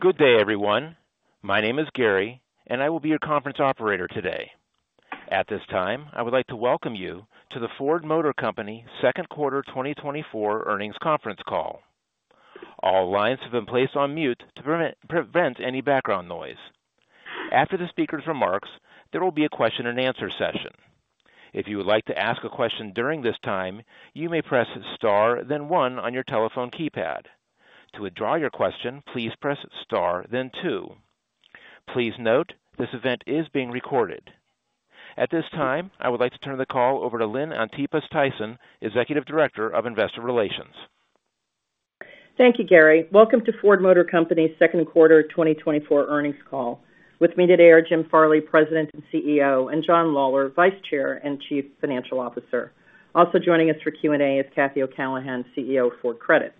Good day, everyone. My name is Gary, and I will be your conference operator today. At this time, I would like to welcome you to the Ford Motor Company second quarter 2024 earnings conference call. All lines have been placed on mute to prevent any background noise. After the speaker's remarks, there will be a question-and-answer session. If you would like to ask a question during this time, you may press star, then one on your telephone keypad. To withdraw your question, please press star then two. Please note, this event is being recorded. At this time, I would like to turn the call over to Lynn Antipas Tyson, Executive Director of Investor Relations. Thank you, Gary. Welcome to Ford Motor Company's second quarter 2024 earnings call. With me today are Jim Farley, President and CEO, and John Lawler, Vice Chair and Chief Financial Officer. Also joining us for Q&A is Cathy O'Callaghan, CEO for Credit.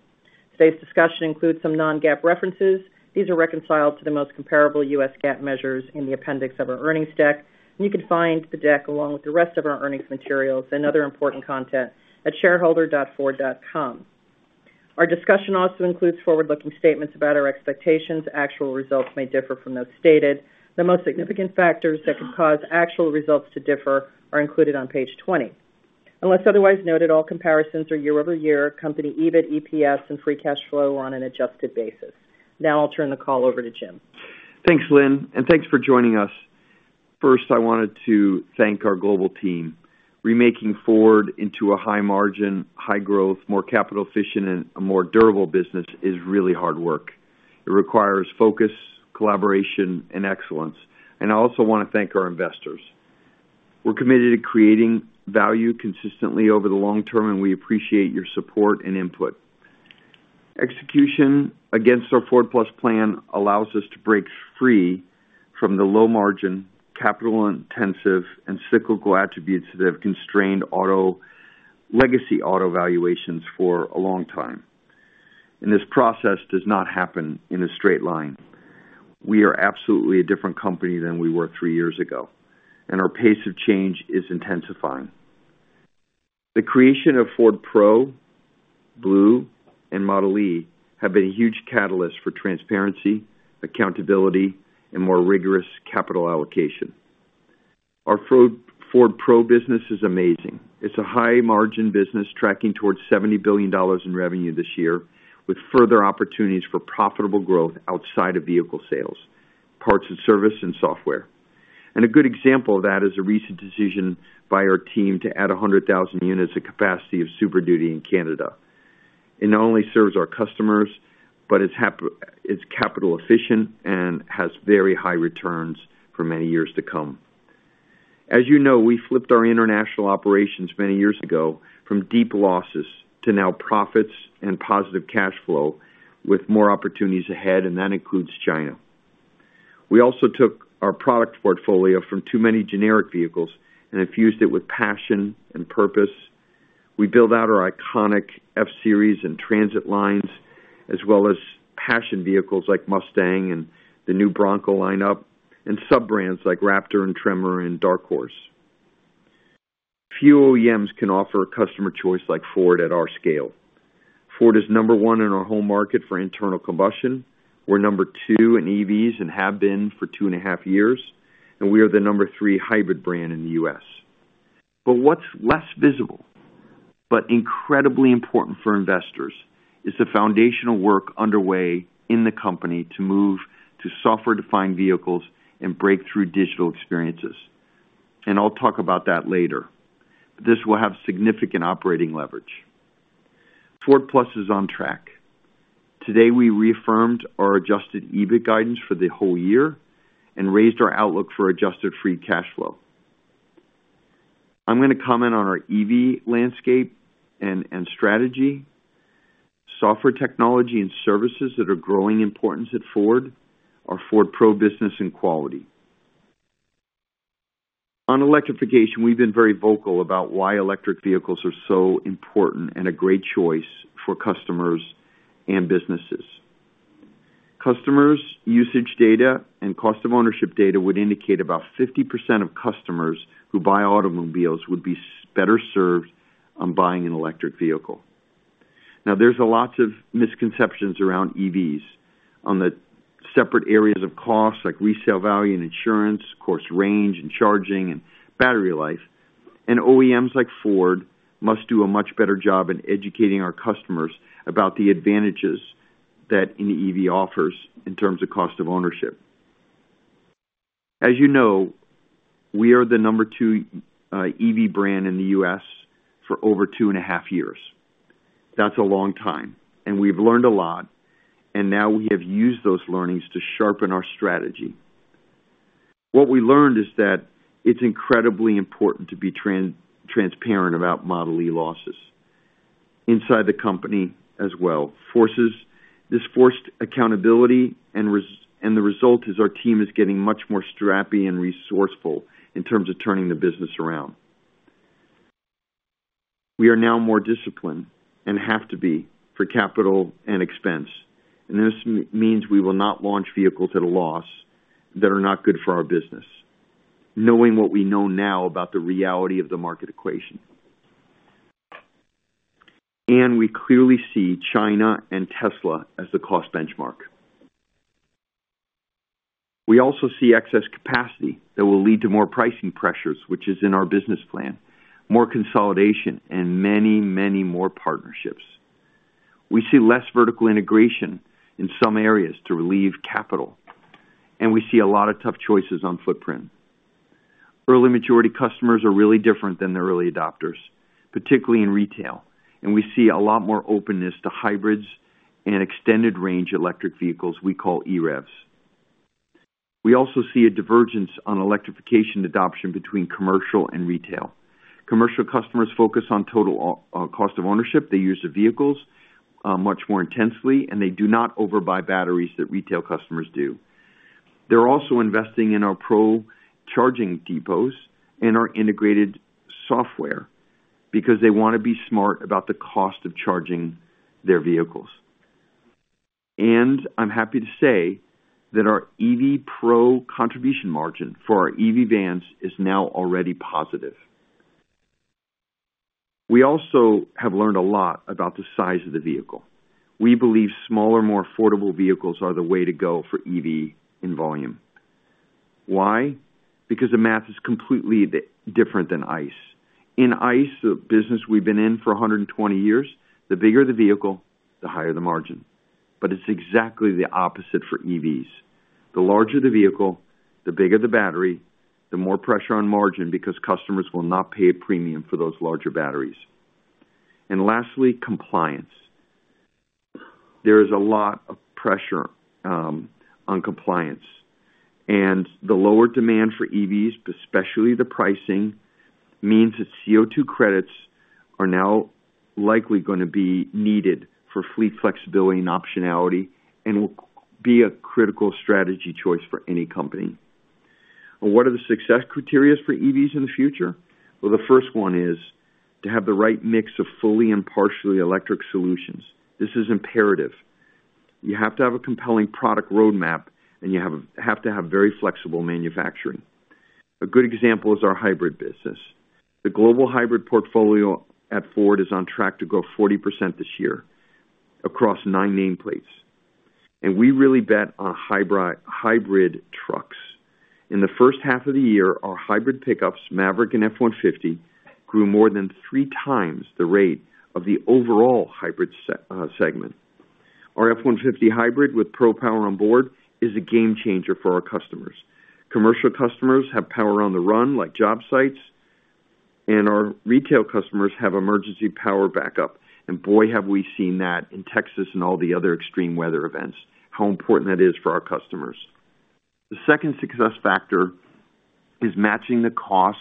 Today's discussion includes some non-GAAP references. These are reconciled to the most comparable US GAAP measures in the appendix of our earnings deck. You can find the deck, along with the rest of our earnings materials and other important content, at shareholder.ford.com. Our discussion also includes forward-looking statements about our expectations. Actual results may differ from those stated. The most significant factors that could cause actual results to differ are included on page 20. Unless otherwise noted, all comparisons are year-over-year, company EBIT, EPS, and free cash flow on an adjusted basis. Now I'll turn the call over to Jim. Thanks, Lynn, and thanks for joining us. First, I wanted to thank our global team. Remaking Ford into a high margin, high growth, more capital efficient, and a more durable business is really hard work. It requires focus, collaboration, and excellence. And I also want to thank our investors. We're committed to creating value consistently over the long term, and we appreciate your support and input. Execution against our Ford+ plan allows us to break free from the low margin, capital intensive, and cyclical attributes that have constrained legacy auto valuations for a long time, and this process does not happen in a straight line. We are absolutely a different company than we were three years ago, and our pace of change is intensifying. The creation of Ford Pro, Blue, and Model E have been a huge catalyst for transparency, accountability, and more rigorous capital allocation. Our Ford Pro business is amazing. It's a high-margin business, tracking towards $70 billion in revenue this year, with further opportunities for profitable growth outside of vehicle sales, parts and service, and software. A good example of that is a recent decision by our team to add 100,000 units of capacity of Super Duty in Canada. It not only serves our customers, but it's capital efficient and has very high returns for many years to come. As you know, we flipped our international operations many years ago from deep losses to now profits and positive cash flow, with more opportunities ahead, and that includes China. We also took our product portfolio from too many generic vehicles and infused it with passion and purpose. We built out our iconic F-Series and Transit lines, as well as passion vehicles like Mustang and the new Bronco lineup, and sub-brands like Raptor and Tremor and Dark Horse. Few OEMs can offer a customer choice like Ford at our scale. Ford is number one in our home market for internal combustion. We're number two in EVs and have been for two and a half years, and we are the number three hybrid brand in the U.S. But what's less visible, but incredibly important for investors, is the foundational work underway in the company to move to Software-Defined Vehicles and breakthrough digital experiences, and I'll talk about that later. This will have significant operating leverage. Ford+ is on track. Today, we reaffirmed our Adjusted EBIT guidance for the whole year and raised our outlook for Adjusted Free Cash Flow. I'm going to comment on our EV landscape and strategy, software technology and services that are growing importance at Ford, our Ford Pro business and quality. On electrification, we've been very vocal about why electric vehicles are so important and a great choice for customers and businesses. Customers' usage data and cost of ownership data would indicate about 50% of customers who buy automobiles would be better served on buying an electric vehicle. Now, there's a lot of misconceptions around EVs on the separate areas of costs, like resale value and insurance, of course, range and charging and battery life. And OEMs like Ford must do a much better job in educating our customers about the advantages that an EV offers in terms of cost of ownership. As you know, we are the number two EV brand in the U.S. for over two and a half years. That's a long time, and we've learned a lot, and now we have used those learnings to sharpen our strategy. What we learned is that it's incredibly important to be transparent about Model E losses inside the company as well. This forced accountability, and the result is our team is getting much more scrappy and resourceful in terms of turning the business around. We are now more disciplined and have to be for capital and expense, and this means we will not launch vehicles at a loss that are not good for our business, knowing what we know now about the reality of the market equation. And we clearly see China and Tesla as the cost benchmark. We also see excess capacity that will lead to more pricing pressures, which is in our business plan, more consolidation and many, many more partnerships. We see less vertical integration in some areas to relieve capital, and we see a lot of tough choices on footprint. Early maturity customers are really different than the early adopters, particularly in retail, and we see a lot more openness to hybrids and extended range electric vehicles we call EREVs. We also see a divergence on electrification adoption between commercial and retail. Commercial customers focus on total cost of ownership. They use the vehicles much more intensely, and they do not overbuy batteries that retail customers do. They're also investing in our Pro charging depots and our integrated software because they wanna be smart about the cost of charging their vehicles. And I'm happy to say that our EV Pro contribution margin for our EV vans is now already positive. We also have learned a lot about the size of the vehicle. We believe smaller, more affordable vehicles are the way to go for EV in volume. Why? Because the math is completely different than ICE. In ICE, the business we've been in for 120 years, the bigger the vehicle, the higher the margin. But it's exactly the opposite for EVs. The larger the vehicle, the bigger the battery, the more pressure on margin, because customers will not pay a premium for those larger batteries. And lastly, compliance. There is a lot of pressure on compliance, and the lower demand for EVs, especially the pricing, means that CO2 credits are now likely gonna be needed for fleet flexibility and optionality and will be a critical strategy choice for any company. What are the success criteria for EVs in the future? Well, the first one is to have the right mix of fully and partially electric solutions. This is imperative. You have to have a compelling product roadmap, and you have to have very flexible manufacturing. A good example is our hybrid business. The global hybrid portfolio at Ford is on track to grow 40% this year across nine nameplates, and we really bet on hybrid trucks. In the first half of the year, our hybrid pickups, Maverick and F-150, grew more than 3x the rate of the overall hybrid segment. Our F-150 hybrid with Pro Power Onboard is a game changer for our customers. Commercial customers have power on the run, like job sites, and our retail customers have emergency power backup. And boy, have we seen that in Texas and all the other extreme weather events, how important that is for our customers. The second success factor is matching the cost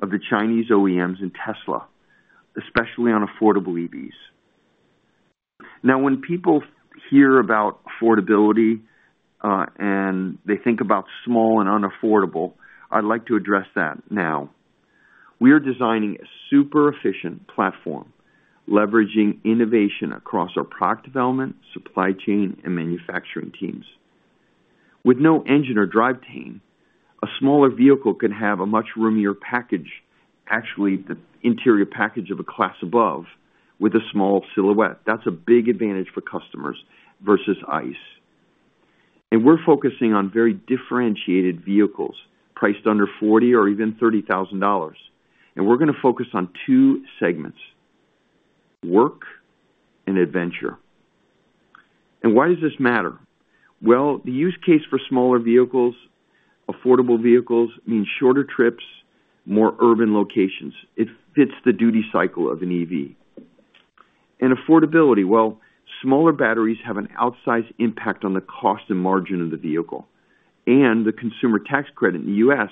of the Chinese OEMs and Tesla, especially on affordable EVs. Now, when people hear about affordability, and they think about small and unaffordable, I'd like to address that now. We are designing a super efficient platform, leveraging innovation across our product development, supply chain, and manufacturing teams. With no engine or drive team, a smaller vehicle can have a much roomier package, actually, the interior package of a class above, with a small silhouette. That's a big advantage for customers versus ICE. We're focusing on very differentiated vehicles priced under $40,000 or even $30,000. We're gonna focus on two segments: work and adventure. Why does this matter? Well, the use case for smaller vehicles, affordable vehicles, means shorter trips, more urban locations. It fits the duty cycle of an EV. Affordability, well, smaller batteries have an outsized impact on the cost and margin of the vehicle, and the consumer tax credit in the US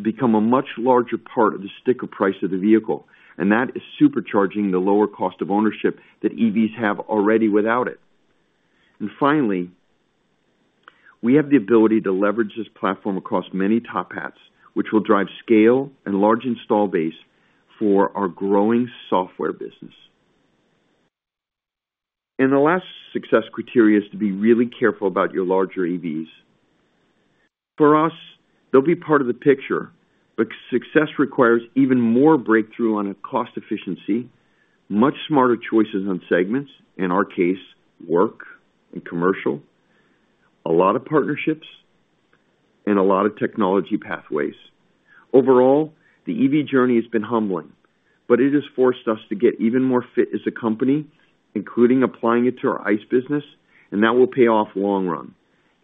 become a much larger part of the sticker price of the vehicle, and that is supercharging the lower cost of ownership that EVs have already without it. Finally, we have the ability to leverage this platform across many top hats, which will drive scale and large install base for our growing software business. The last success criteria is to be really careful about your larger EVs. For us, they'll be part of the picture, but success requires even more breakthrough on a cost efficiency, much smarter choices on segments, in our case, work and commercial, a lot of partnerships and a lot of technology pathways. Overall, the EV journey has been humbling, but it has forced us to get even more fit as a company, including applying it to our ICE business, and that will pay off long run,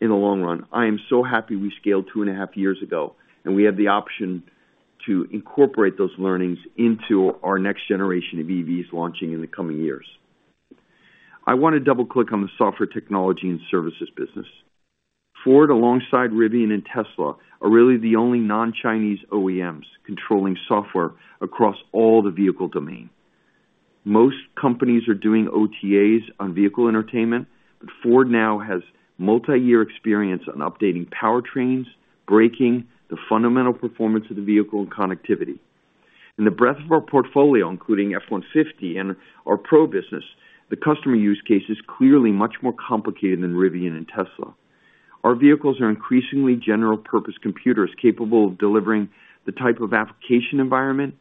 in the long run. I am so happy we scaled 2.5 years ago, and we have the option to incorporate those learnings into our next generation of EVs launching in the coming years. I want to double click on the software technology and services business. Ford, alongside Rivian and Tesla, are really the only non-Chinese OEMs controlling software across all the vehicle domain. Most companies are doing OTAs on vehicle entertainment, but Ford now has multiyear experience on updating powertrains, braking, the fundamental performance of the vehicle, and connectivity. In the breadth of our portfolio, including F-150 and our Pro business, the customer use case is clearly much more complicated than Rivian and Tesla. Our vehicles are increasingly general purpose computers capable of delivering the type of application environment,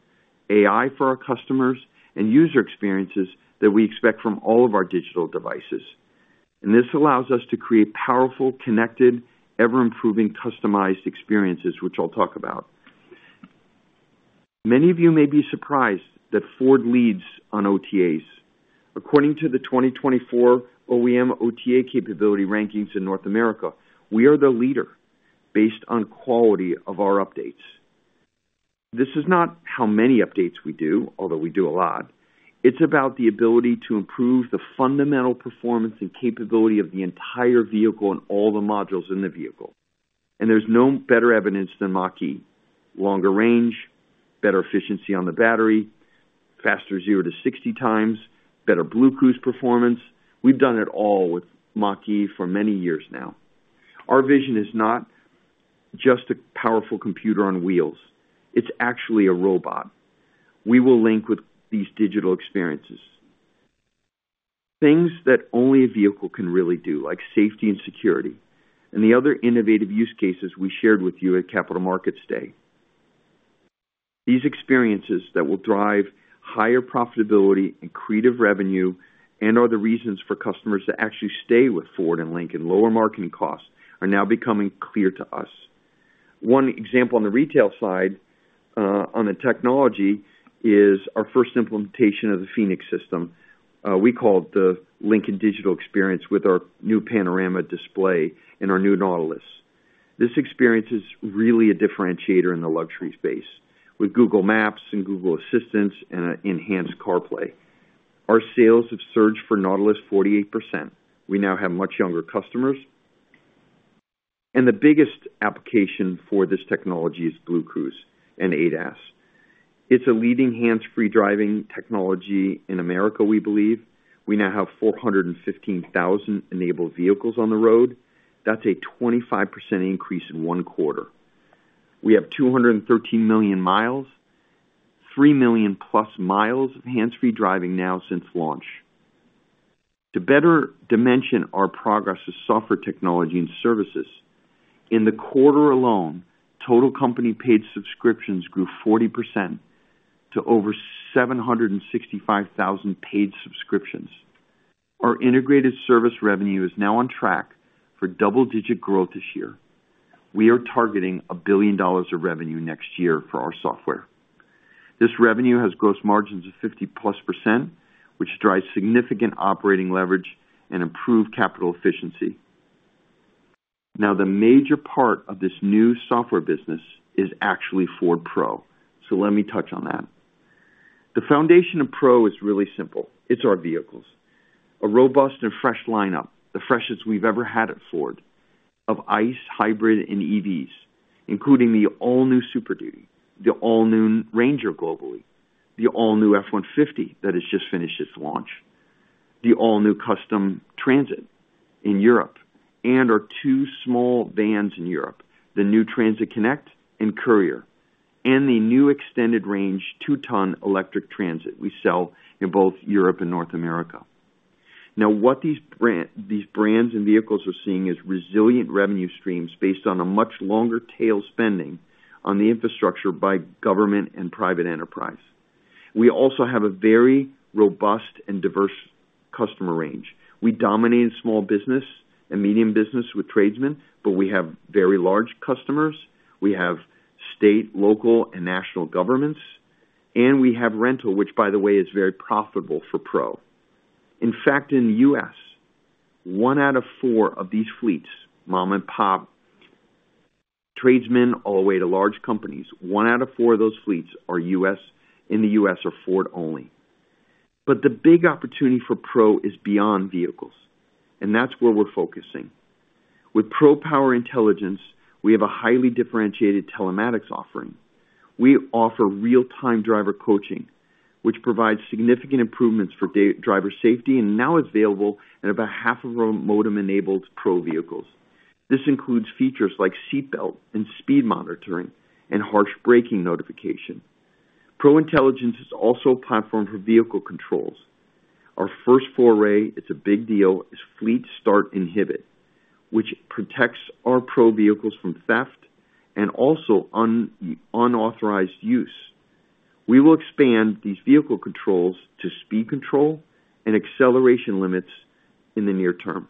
AI for our customers, and user experiences that we expect from all of our digital devices. And this allows us to create powerful, connected, ever-improving, customized experiences, which I'll talk about. Many of you may be surprised that Ford leads on OTAs. According to the 2024 OEM OTA capability rankings in North America, we are the leader based on quality of our updates. This is not how many updates we do, although we do a lot. It's about the ability to improve the fundamental performance and capability of the entire vehicle and all the modules in the vehicle. There's no better evidence than Mach-E. Longer range, better efficiency on the battery, faster zero to sixty times, better BlueCruise performance. We've done it all with Mach-E for many years now. Our vision is not just a powerful computer on wheels, it's actually a robot. We will link with these digital experiences. Things that only a vehicle can really do, like safety and security, and the other innovative use cases we shared with you at Capital Markets Day. These experiences that will drive higher profitability, accretive revenue, and are the reasons for customers to actually stay with Ford and Lincoln. Lower marketing costs are now becoming clear to us. One example on the retail side, on the technology is our first implementation of the Phoenix system. We call it the Lincoln Digital Experience with our new panorama display in our new Nautilus. This experience is really a differentiator in the luxury space. With Google Maps and Google Assistants and an enhanced CarPlay, our sales have surged for Nautilus 48%. We now have much younger customers, and the biggest application for this technology is Blue Cruise and ADAS. It's a leading hands-free driving technology in America, we believe. We now have 415,000 enabled vehicles on the road. That's a 25% increase in one quarter. We have 213 million miles, 3 million+ miles of hands-free driving now since launch. To better dimension our progress to software technology and services, in the quarter alone, total company paid subscriptions grew 40% to over 765,000 paid subscriptions. Our integrated service revenue is now on track for double-digit growth this year. We are targeting $1 billion of revenue next year for our software. This revenue has gross margins of 50%+, which drives significant operating leverage and improved capital efficiency. Now, the major part of this new software business is actually Ford Pro, so let me touch on that. The foundation of Pro is really simple. It's our vehicles. A robust and fresh lineup, the freshest we've ever had at Ford, of ICE hybrid and EVs, including the all-new Super Duty, the all-new Ranger globally, the all-new F-150 that has just finished its launch, the all-new Transit Custom in Europe, and our two small vans in Europe, the new Transit Connect and Courier, and the new extended range two ton electric Transit we sell in both Europe and North America. Now, what these brand, these brands and vehicles are seeing is resilient revenue streams based on a much longer tail spending on the infrastructure by government and private enterprise. We also have a very robust and diverse customer range. We dominate small business and medium business with tradesmen, but we have very large customers. We have state, local, and national governments, and we have rental, which, by the way, is very profitable for Pro. In fact, in the U.S., one out of four of these fleets, mom-and-pop tradesmen, all the way to large companies, one out of four of those fleets are Ford only. But the big opportunity for Pro is beyond vehicles, and that's where we're focusing. With Pro Intelligence, we have a highly differentiated telematics offering. We offer real-time driver coaching, which provides significant improvements for driver safety, and now available in about half of our modem-enabled Pro vehicles. This includes features like seat belt and speed monitoring and harsh braking notification. Pro Intelligence is also a platform for vehicle controls. Our first foray, it's a big deal, is Fleet Start Inhibit, which protects our Pro vehicles from theft and also unauthorized use. We will expand these vehicle controls to speed control and acceleration limits in the near term.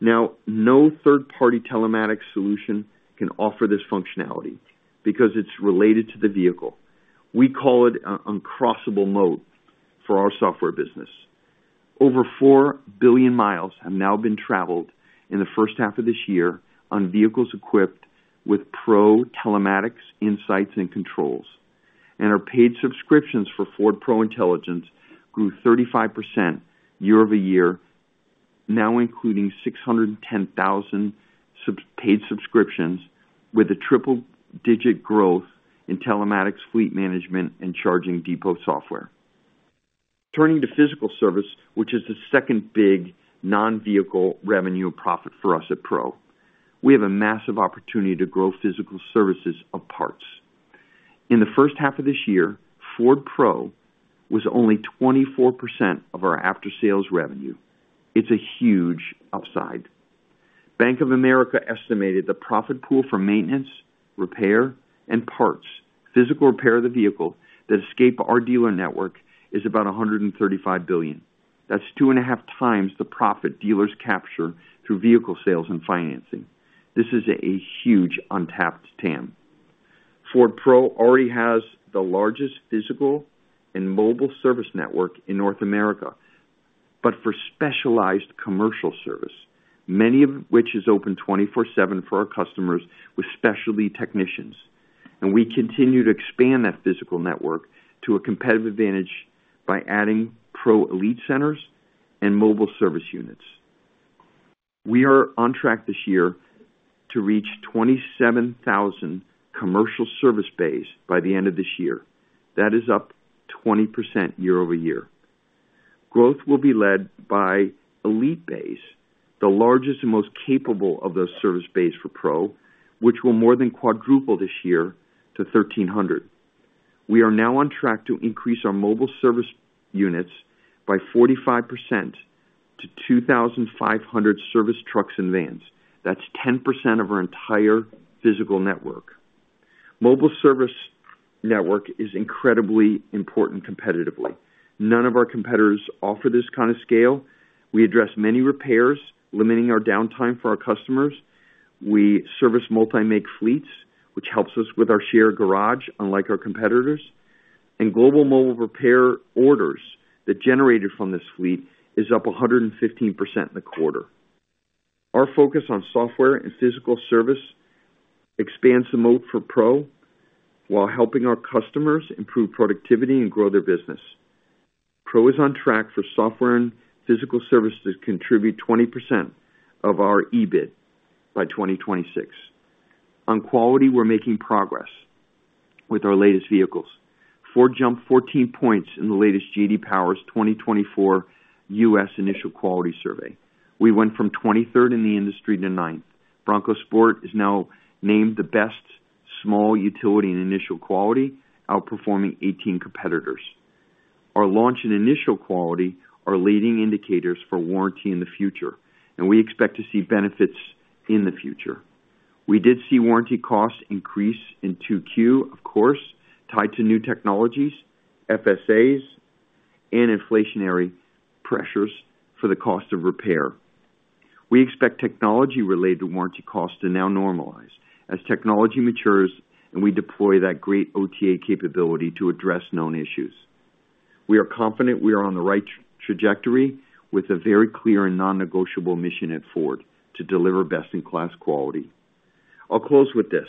Now, no third-party telematics solution can offer this functionality because it's related to the vehicle. We call it an uncrossable moat for our software business. Over 4 billion miles have now been traveled in the first half of this year on vehicles equipped with Pro telematics, insights, and controls, and our paid subscriptions for Ford Pro Intelligence grew 35% year-over-year, now including 610,000 paid subscriptions with a triple-digit growth in telematics, fleet management, and charging depot software. Turning to physical service, which is the second big non-vehicle revenue and profit for us at Pro, we have a massive opportunity to grow physical services of parts. In the first half of this year, Ford Pro was only 24% of our after-sales revenue. It's a huge upside. Bank of America estimated the profit pool for maintenance, repair, and parts, physical repair of the vehicle that escape our dealer network is about $135 billion. That's 2.5x the profit dealers capture through vehicle sales and financing. This is a huge untapped TAM. Ford Pro already has the largest physical and mobile service network in North America, but for specialized commercial service, many of which is open 24/7 for our customers with specialty technicians, and we continue to expand that physical network to a competitive advantage by adding Pro Elite centers and mobile service units. We are on track this year to reach 27,000 commercial service base by the end of this year. That is up 20% year-over-year. Growth will be led by Elite base, the largest and most capable of those service base for Pro, which will more than quadruple this year to 1,300. We are now on track to increase our mobile service units by 45% to 2,500 service trucks and vans. That's 10% of our entire physical network. Mobile service network is incredibly important competitively. None of our competitors offer this kind of scale. We address many repairs, limiting our downtime for our customers. We service multi-make fleets, which helps us with our shared garage, unlike our competitors, and global mobile repair orders that generated from this fleet is up 115% in the quarter. Our focus on software and physical service expands the moat for Pro, while helping our customers improve productivity and grow their business. Pro is on track for software and physical service to contribute 20% of our EBIT by 2026. On quality, we're making progress with our latest vehicles. Ford jumped 14 points in the latest J.D. Power 2024 U.S. Initial Quality Survey. We went from 23rd in the industry to 9th. Bronco Sport is now named the best small utility and initial quality, outperforming 18 competitors. Our launch and initial quality are leading indicators for warranty in the future, and we expect to see benefits in the future. We did see warranty costs increase in 2Q, of course, tied to new technologies, FSAs, and inflationary pressures for the cost of repair. We expect technology-related warranty costs to now normalize as technology matures, and we deploy that great OTA capability to address known issues. We are confident we are on the right trajectory with a very clear and non-negotiable mission at Ford to deliver best-in-class quality. I'll close with this: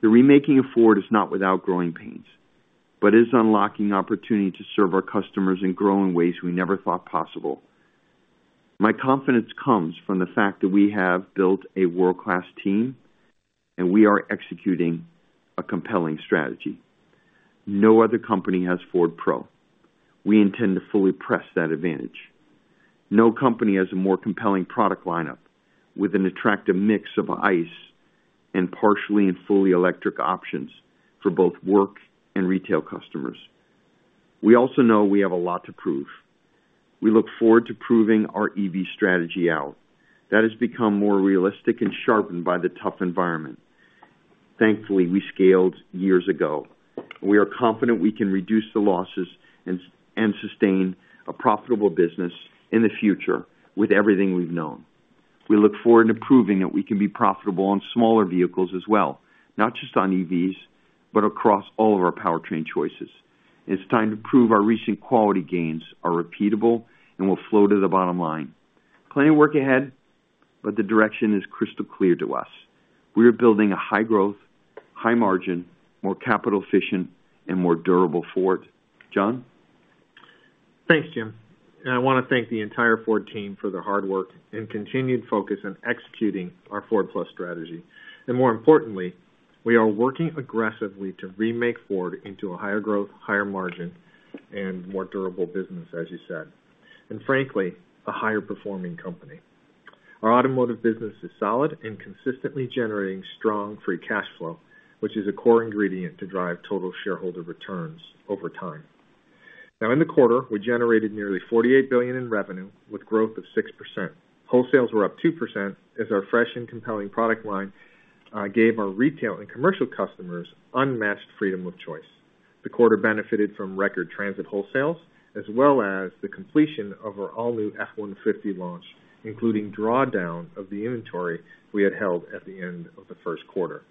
the remaking of Ford is not without growing pains, but is unlocking opportunity to serve our customers and grow in ways we never thought possible. My confidence comes from the fact that we have built a world-class team, and we are executing a compelling strategy. No other company has Ford Pro. We intend to fully press that advantage. No company has a more compelling product lineup with an attractive mix of ICE and partially and fully electric options for both work and retail customers. We also know we have a lot to prove. We look forward to proving our EV strategy out. That has become more realistic and sharpened by the tough environment. Thankfully, we scaled years ago. We are confident we can reduce the losses and sustain a profitable business in the future with everything we've known. We look forward to proving that we can be profitable on smaller vehicles as well, not just on EVs, but across all of our powertrain choices. It's time to prove our recent quality gains are repeatable and will flow to the bottom line. Plenty of work ahead, but the direction is crystal clear to us. We are building a high growth, high margin, more capital efficient, and more durable Ford. John? Thanks, Jim, and I wanna thank the entire Ford team for their hard work and continued focus on executing our Ford+ strategy. And more importantly, we are working aggressively to remake Ford into a higher growth, higher margin, and more durable business, as you said, and frankly, a higher performing company. Our automotive business is solid and consistently generating strong free cash flow, which is a core ingredient to drive total shareholder returns over time. Now, in the quarter, we generated nearly $48 billion in revenue, with growth of 6%. Wholesales were up 2%, as our fresh and compelling product line gave our retail and commercial customers unmatched freedom of choice. The quarter benefited from record Transit wholesales, as well as the completion of our all-new F-150 launch, including drawdown of the inventory we had held at the end of the first quarter.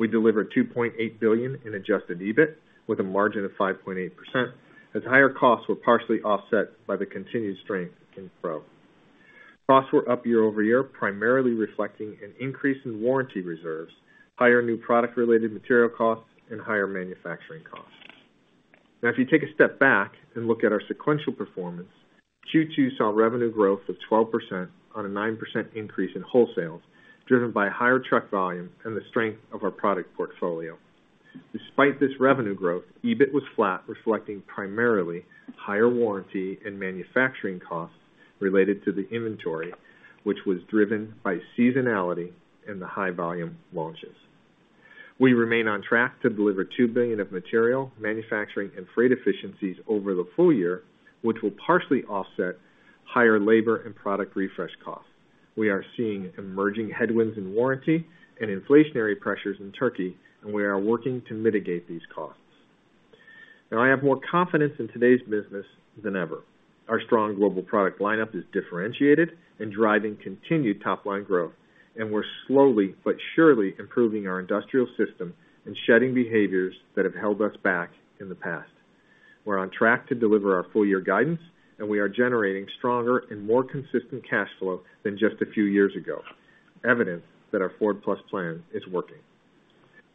We delivered $2.8 billion in adjusted EBIT, with a margin of 5.8%, as higher costs were partially offset by the continued strength in Pro. Costs were up year-over-year, primarily reflecting an increase in warranty reserves, higher new product-related material costs, and higher manufacturing costs. Now, if you take a step back and look at our sequential performance, Q2 saw revenue growth of 12% on a 9% increase in wholesales, driven by higher truck volume and the strength of our product portfolio. Despite this revenue growth, EBIT was flat, reflecting primarily higher warranty and manufacturing costs related to the inventory, which was driven by seasonality and the high volume launches. We remain on track to deliver $2 billion of material, manufacturing, and freight efficiencies over the full-year, which will partially offset higher labor and product refresh costs. We are seeing emerging headwinds in warranty and inflationary pressures in Turkey, and we are working to mitigate these costs. Now, I have more confidence in today's business than ever. Our strong global product lineup is differentiated and driving continued top-line growth, and we're slowly but surely improving our industrial system and shedding behaviors that have held us back in the past. We're on track to deliver our full-year guidance, and we are generating stronger and more consistent cash flow than just a few years ago, evidence that our Ford+ plan is working.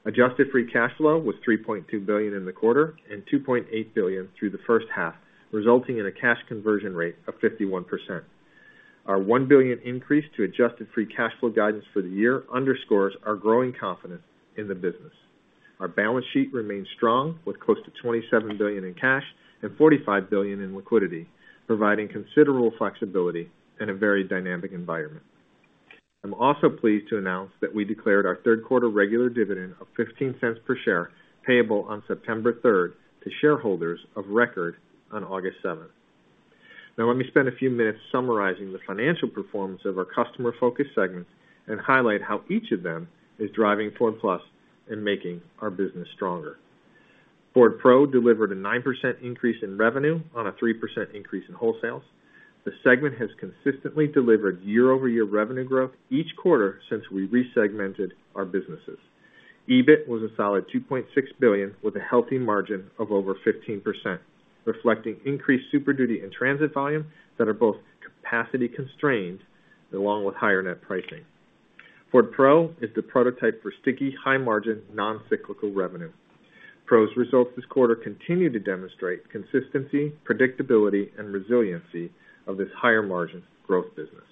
Adjusted Free Cash Flow was $3.2 billion in the quarter and $2.8 billion through the first half, resulting in a cash conversion rate of 51%. Our $1 billion increase to Adjusted Free Cash Flow guidance for the year underscores our growing confidence in the business. Our balance sheet remains strong, with close to $27 billion in cash and $45 billion in liquidity, providing considerable flexibility in a very dynamic environment. I'm also pleased to announce that we declared our third quarter regular dividend of $0.15 per share, payable on September third, to shareholders of record on August seventh. Now, let me spend a few minutes summarizing the financial performance of our customer-focused segments and highlight how each of them is driving Ford+ and making our business stronger. Ford Pro delivered a 9% increase in revenue on a 3% increase in wholesales. The segment has consistently delivered year-over-year revenue growth each quarter since we resegmented our businesses. EBIT was a solid $2.6 billion, with a healthy margin of over 15%, reflecting increased Super Duty and Transit volume that are both capacity constrained, along with higher net pricing. Ford Pro is the prototype for sticky, high margin, non-cyclical revenue. Pro's results this quarter continue to demonstrate consistency, predictability, and resiliency of this higher margin growth business.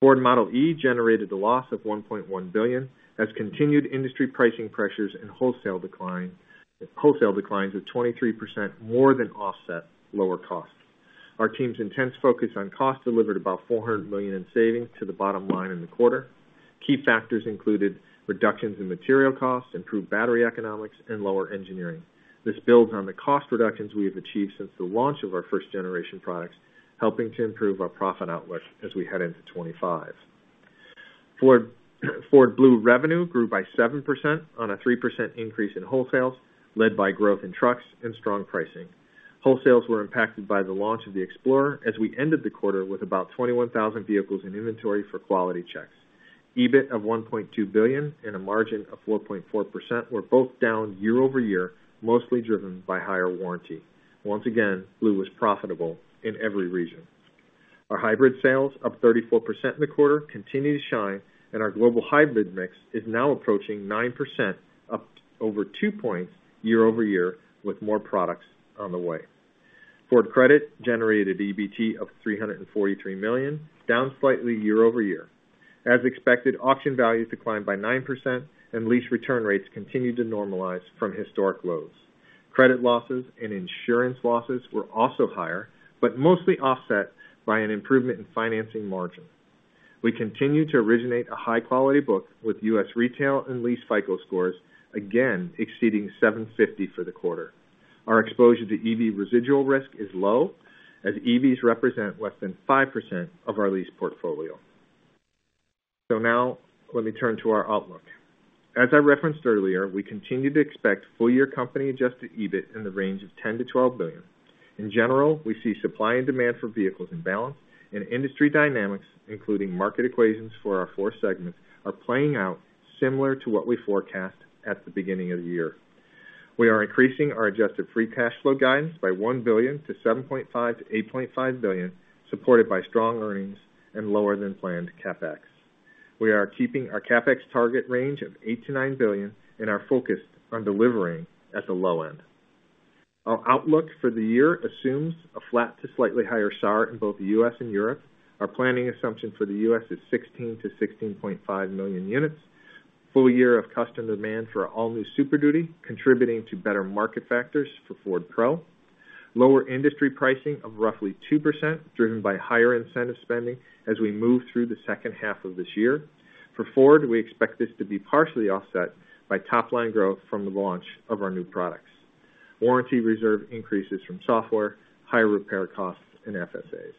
Ford Model e generated a loss of $1.1 billion, as continued industry pricing pressures and wholesale decline, wholesale declines of 23% more than offset lower costs. Our team's intense focus on costs delivered about $400 million in savings to the bottom line in the quarter. Key factors included reductions in material costs, improved battery economics, and lower engineering. This builds on the cost reductions we have achieved since the launch of our first-generation products, helping to improve our profit outlook as we head into 2025. Ford, Ford Blue revenue grew by 7% on a 3% increase in wholesales, led by growth in trucks and strong pricing. Wholesales were impacted by the launch of the Explorer as we ended the quarter with about 21,000 vehicles in inventory for quality checks. EBIT of $1.2 billion and a margin of 4.4% were both down year-over-year, mostly driven by higher warranty. Once again, Blue was profitable in every region. Our hybrid sales, up 34% in the quarter, continue to shine, and our global hybrid mix is now approaching 9%, up over two points year-over-year, with more products on the way. Ford Credit generated EBT of $343 million, down slightly year-over-year. As expected, auction values declined by 9%, and lease return rates continued to normalize from historic lows. Credit losses and insurance losses were also higher, but mostly offset by an improvement in financing margin. We continue to originate a high-quality book with US retail and lease FICO scores, again exceeding 750 for the quarter. Our exposure to EV residual risk is low, as EVs represent less than 5% of our lease portfolio. So now let me turn to our outlook. As I referenced earlier, we continue to expect full-year company-adjusted EBIT in the range of $10 billion-$12 billion. In general, we see supply and demand for vehicles in balance and industry dynamics, including market equations for our four segments, are playing out similar to what we forecast at the beginning of the year. We are increasing our adjusted free cash flow guidance by $1 billion to $7.5 billion-$8.5 billion, supported by strong earnings and lower than planned CapEx. We are keeping our CapEx target range of $8 billion-$9 billion and are focused on delivering at the low end. Our outlook for the year assumes a flat to slightly higher SAR in both the U.S. and Europe. Our planning assumption for the U.S. is 16-16.5 million units. full-year of customer demand for our all-new Super Duty, contributing to better market factors for Ford Pro. Lower industry pricing of roughly 2%, driven by higher incentive spending as we move through the second half of this year. For Ford, we expect this to be partially offset by top-line growth from the launch of our new products. Warranty reserve increases from software, higher repair costs, and FSAs.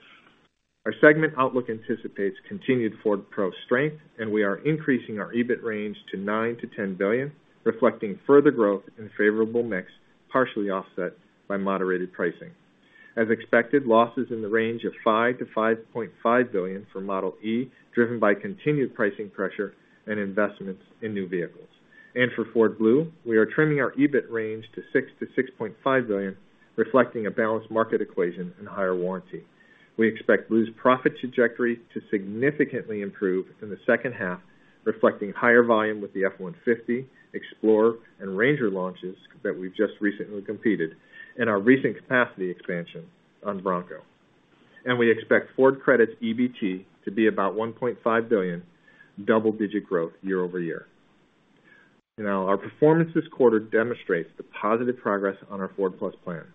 Our segment outlook anticipates continued Ford Pro strength, and we are increasing our EBIT range to $9 billion-$10 billion, reflecting further growth and favorable mix, partially offset by moderated pricing. As expected, losses in the range of $5 billion-$5.5 billion for Model E, driven by continued pricing pressure and investments in new vehicles. And for Ford Blue, we are trimming our EBIT range to $6 billion-$6.5 billion, reflecting a balanced market equation and higher warranty. We expect Blue's profit trajectory to significantly improve in the second half, reflecting higher volume with the F-150, Explorer, and Ranger launches that we've just recently completed and our recent capacity expansion on Bronco. And we expect Ford Credit's EBT to be about $1.5 billion, double-digit growth year-over-year. Now, our performance this quarter demonstrates the positive progress on our Ford+ plan.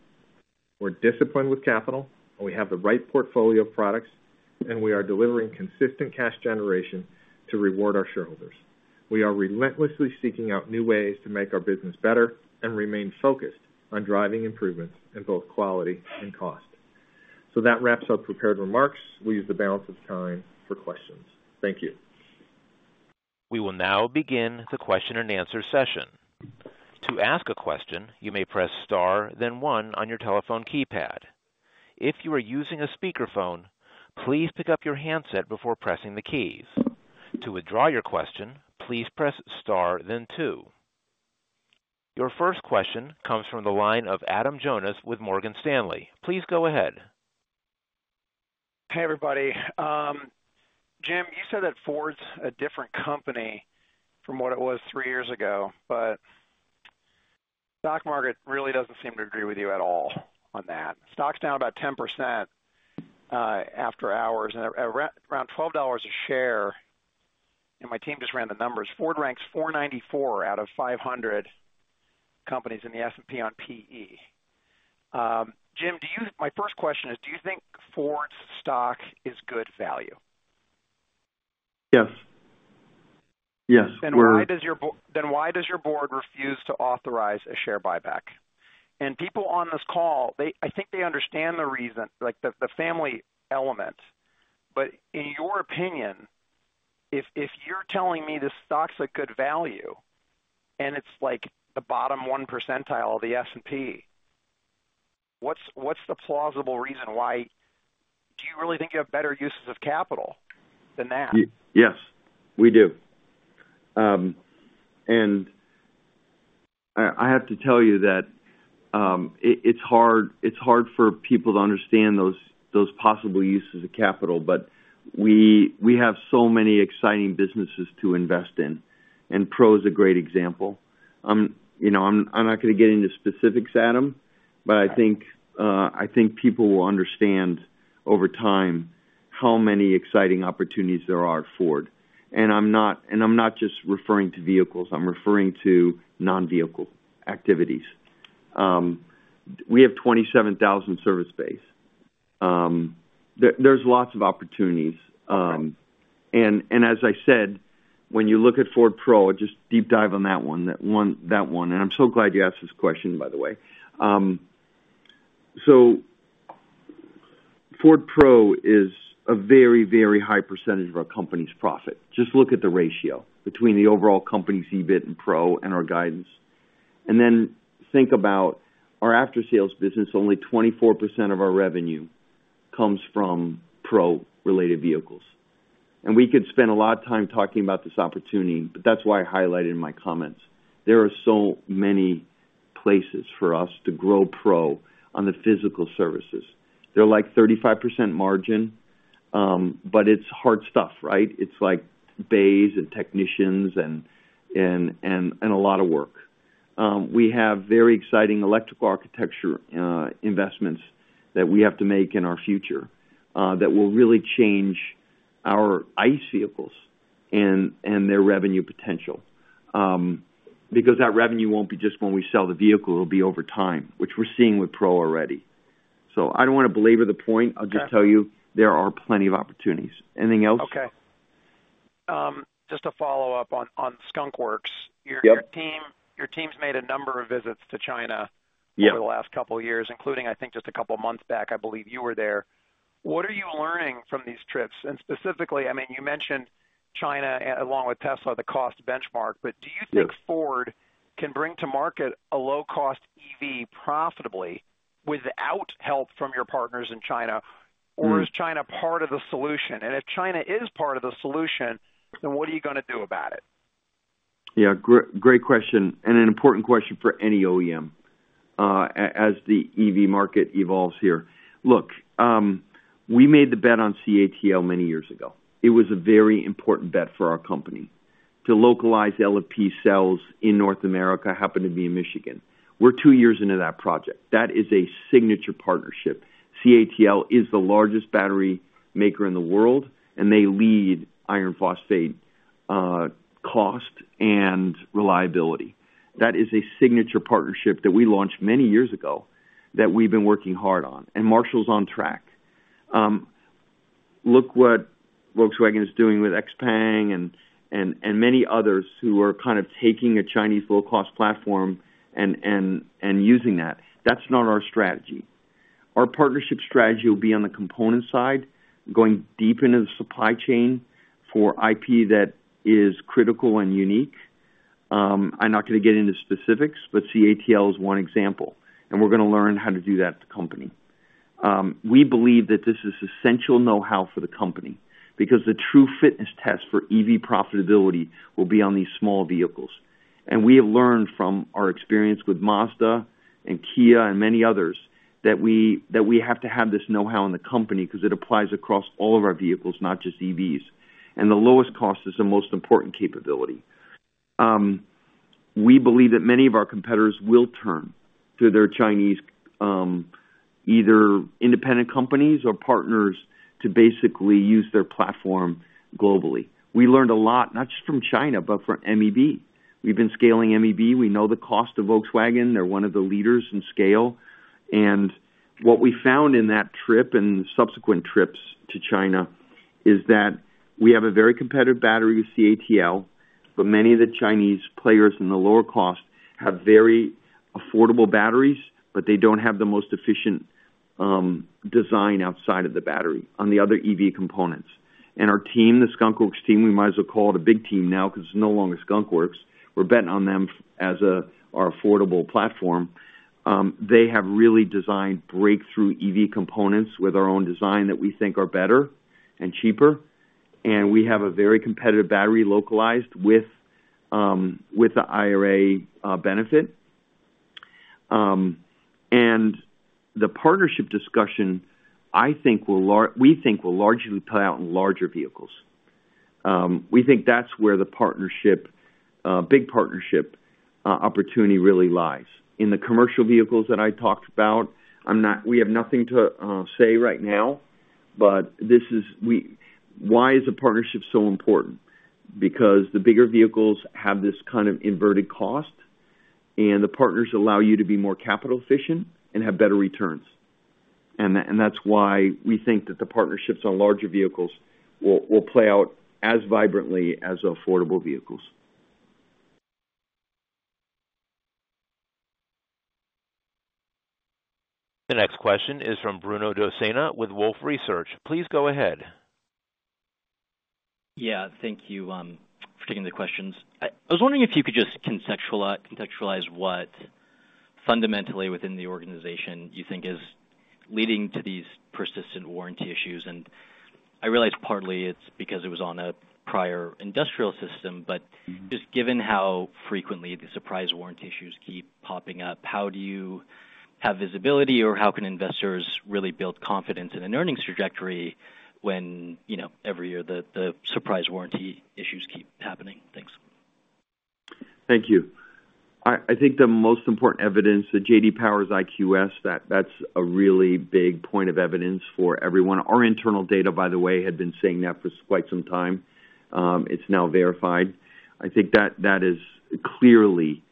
We're disciplined with capital, and we have the right portfolio of products, and we are delivering consistent cash generation to reward our shareholders. We are relentlessly seeking out new ways to make our business better and remain focused on driving improvements in both quality and cost. So that wraps up prepared remarks. We use the balance of time for questions. Thank you. We will now begin the question-and-answer session. To ask a question, you may press star, then one on your telephone keypad. If you are using a speakerphone, please pick up your handset before pressing the keys. To withdraw your question, please press star then two. Your first question comes from the line of Adam Jonas with Morgan Stanley. Please go ahead. Hey, everybody. Jim, you said that Ford's a different company from what it was three years ago, but stock market really doesn't seem to agree with you at all on that. Stock's down about 10%, after hours and around $12 a share, and my team just ran the numbers. Ford ranks 494 out of 500 companies in the S&P on PE. Jim, my first question is, do you think Ford's stock is good value? Yes. Yes, we're Then why does your board refuse to authorize a share buyback? And people on this call, I think they understand the reason, like, the family element. But in your opinion, if you're telling me this stock's a good value and it's like the bottom one percentile of the S&P, what's the plausible reason why. Do you really think you have better uses of capital than that? Yes, we do. And I have to tell you that it, it's hard, it's hard for people to understand those, those possible uses of capital, but we, we have so many exciting businesses to invest in, and Pro is a great example. You know, I'm not gonna get into specifics, Adam, but I think I think people will understand over time how many exciting opportunities there are at Ford. And I'm not, and I'm not just referring to vehicles, I'm referring to non-vehicle activities. We have 27,000 service base. There's lots of opportunities. And as I said, when you look at Ford Pro, just deep dive on that one, that one, that one. And I'm so glad you asked this question, by the way. So Ford Pro is a very, very high percentage of our company's profit. Just look at the ratio between the overall company's EBIT and Pro and our guidance, and then think about our after-sales business. Only 24% of our revenue comes from Pro-related vehicles. And we could spend a lot of time talking about this opportunity, but that's why I highlighted in my comments. There are so many places for us to grow Pro on the physical services. They're like 35% margin, but it's hard stuff, right? It's like bays and technicians and a lot of work. We have very exciting electrical architecture investments that we have to make in our future that will really change our ICE vehicles and their revenue potential. Because that revenue won't be just when we sell the vehicle, it'll be over time, which we're seeing with Pro already. So I don't wanna belabor the point. Okay. I'll just tell you, there are plenty of opportunities. Anything else? Okay. Just to follow up on Skunk Works. Yep. Your team, your team's made a number of visits to China Yeah Over the last couple of years, including, I think, just a couple of months back, I believe you were there. What are you learning from these trips? And specifically, I mean, you mentioned China, along with Tesla, the cost benchmark. Yeah. Do you think Ford can bring to market a low-cost EV profitably without help from your partners in China? Mm. Or is China part of the solution? And if China is part of the solution, then what are you gonna do about it? Yeah, great, great question, and an important question for any OEM, as the EV market evolves here. Look, we made the bet on CATL many years ago. It was a very important bet for our company to localize LFP cells in North America, happened to be in Michigan. We're two years into that project. That is a signature partnership. CATL is the largest battery maker in the world, and they lead iron phosphate, cost and reliability. That is a signature partnership that we launched many years ago that we've been working hard on, and Marshall's on track. Look what Volkswagen is doing with XPeng and many others who are kind of taking a Chinese low-cost platform and using that. That's not our strategy. Our partnership strategy will be on the component side, going deep into the supply chain for IP that is critical and unique. I'm not gonna get into specifics, but CATL is one example, and we're gonna learn how to do that at the company. We believe that this is essential know-how for the company, because the true fitness test for EV profitability will be on these small vehicles. We have learned from our experience with Mazda and Kia and many others, that we have to have this know-how in the company because it applies across all of our vehicles, not just EVs. The lowest cost is the most important capability. We believe that many of our competitors will turn to their Chinese either independent companies or partners to basically use their platform globally. We learned a lot, not just from China, but from MEB. We've been scaling MEB. We know the cost of Volkswagen. They're one of the leaders in scale. And what we found in that trip and subsequent trips to China is that we have a very competitive battery with CATL, but many of the Chinese players in the lower cost have very affordable batteries, but they don't have the most efficient design outside of the battery on the other EV components. And our team, the Skunk Works team, we might as well call it a big team now, because it's no longer Skunk Works. We're betting on them as our affordable platform. They have really designed breakthrough EV components with our own design that we think are better and cheaper, and we have a very competitive battery localized with the IRA benefit. And the partnership discussion, we think, will largely play out in larger vehicles. We think that's where the partnership, big partnership, opportunity really lies. In the commercial vehicles that I talked about, we have nothing to say right now, but why is the partnership so important? Because the bigger vehicles have this kind of inverted cost, and the partners allow you to be more capital efficient and have better returns. And that's why we think that the partnerships on larger vehicles will play out as vibrantly as affordable vehicles. The next question is from Bruno Dossena with Wolfe Research. Please go ahead. Yeah, thank you for taking the questions. I was wondering if you could just contextualize what fundamentally within the organization you think is leading to these persistent warranty issues. And I realize partly it's because it was on a prior industrial system, but just given how frequently the surprise warranty issues keep popping up, how do you have visibility, or how can investors really build confidence in an earnings trajectory when, you know, every year the surprise warranty issues keep happening? Thanks. Thank you. I think the most important evidence, the J.D. Power IQS, that's a really big point of evidence for everyone. Our internal data, by the way, had been saying that for quite some time. It's now verified. I think that is clearly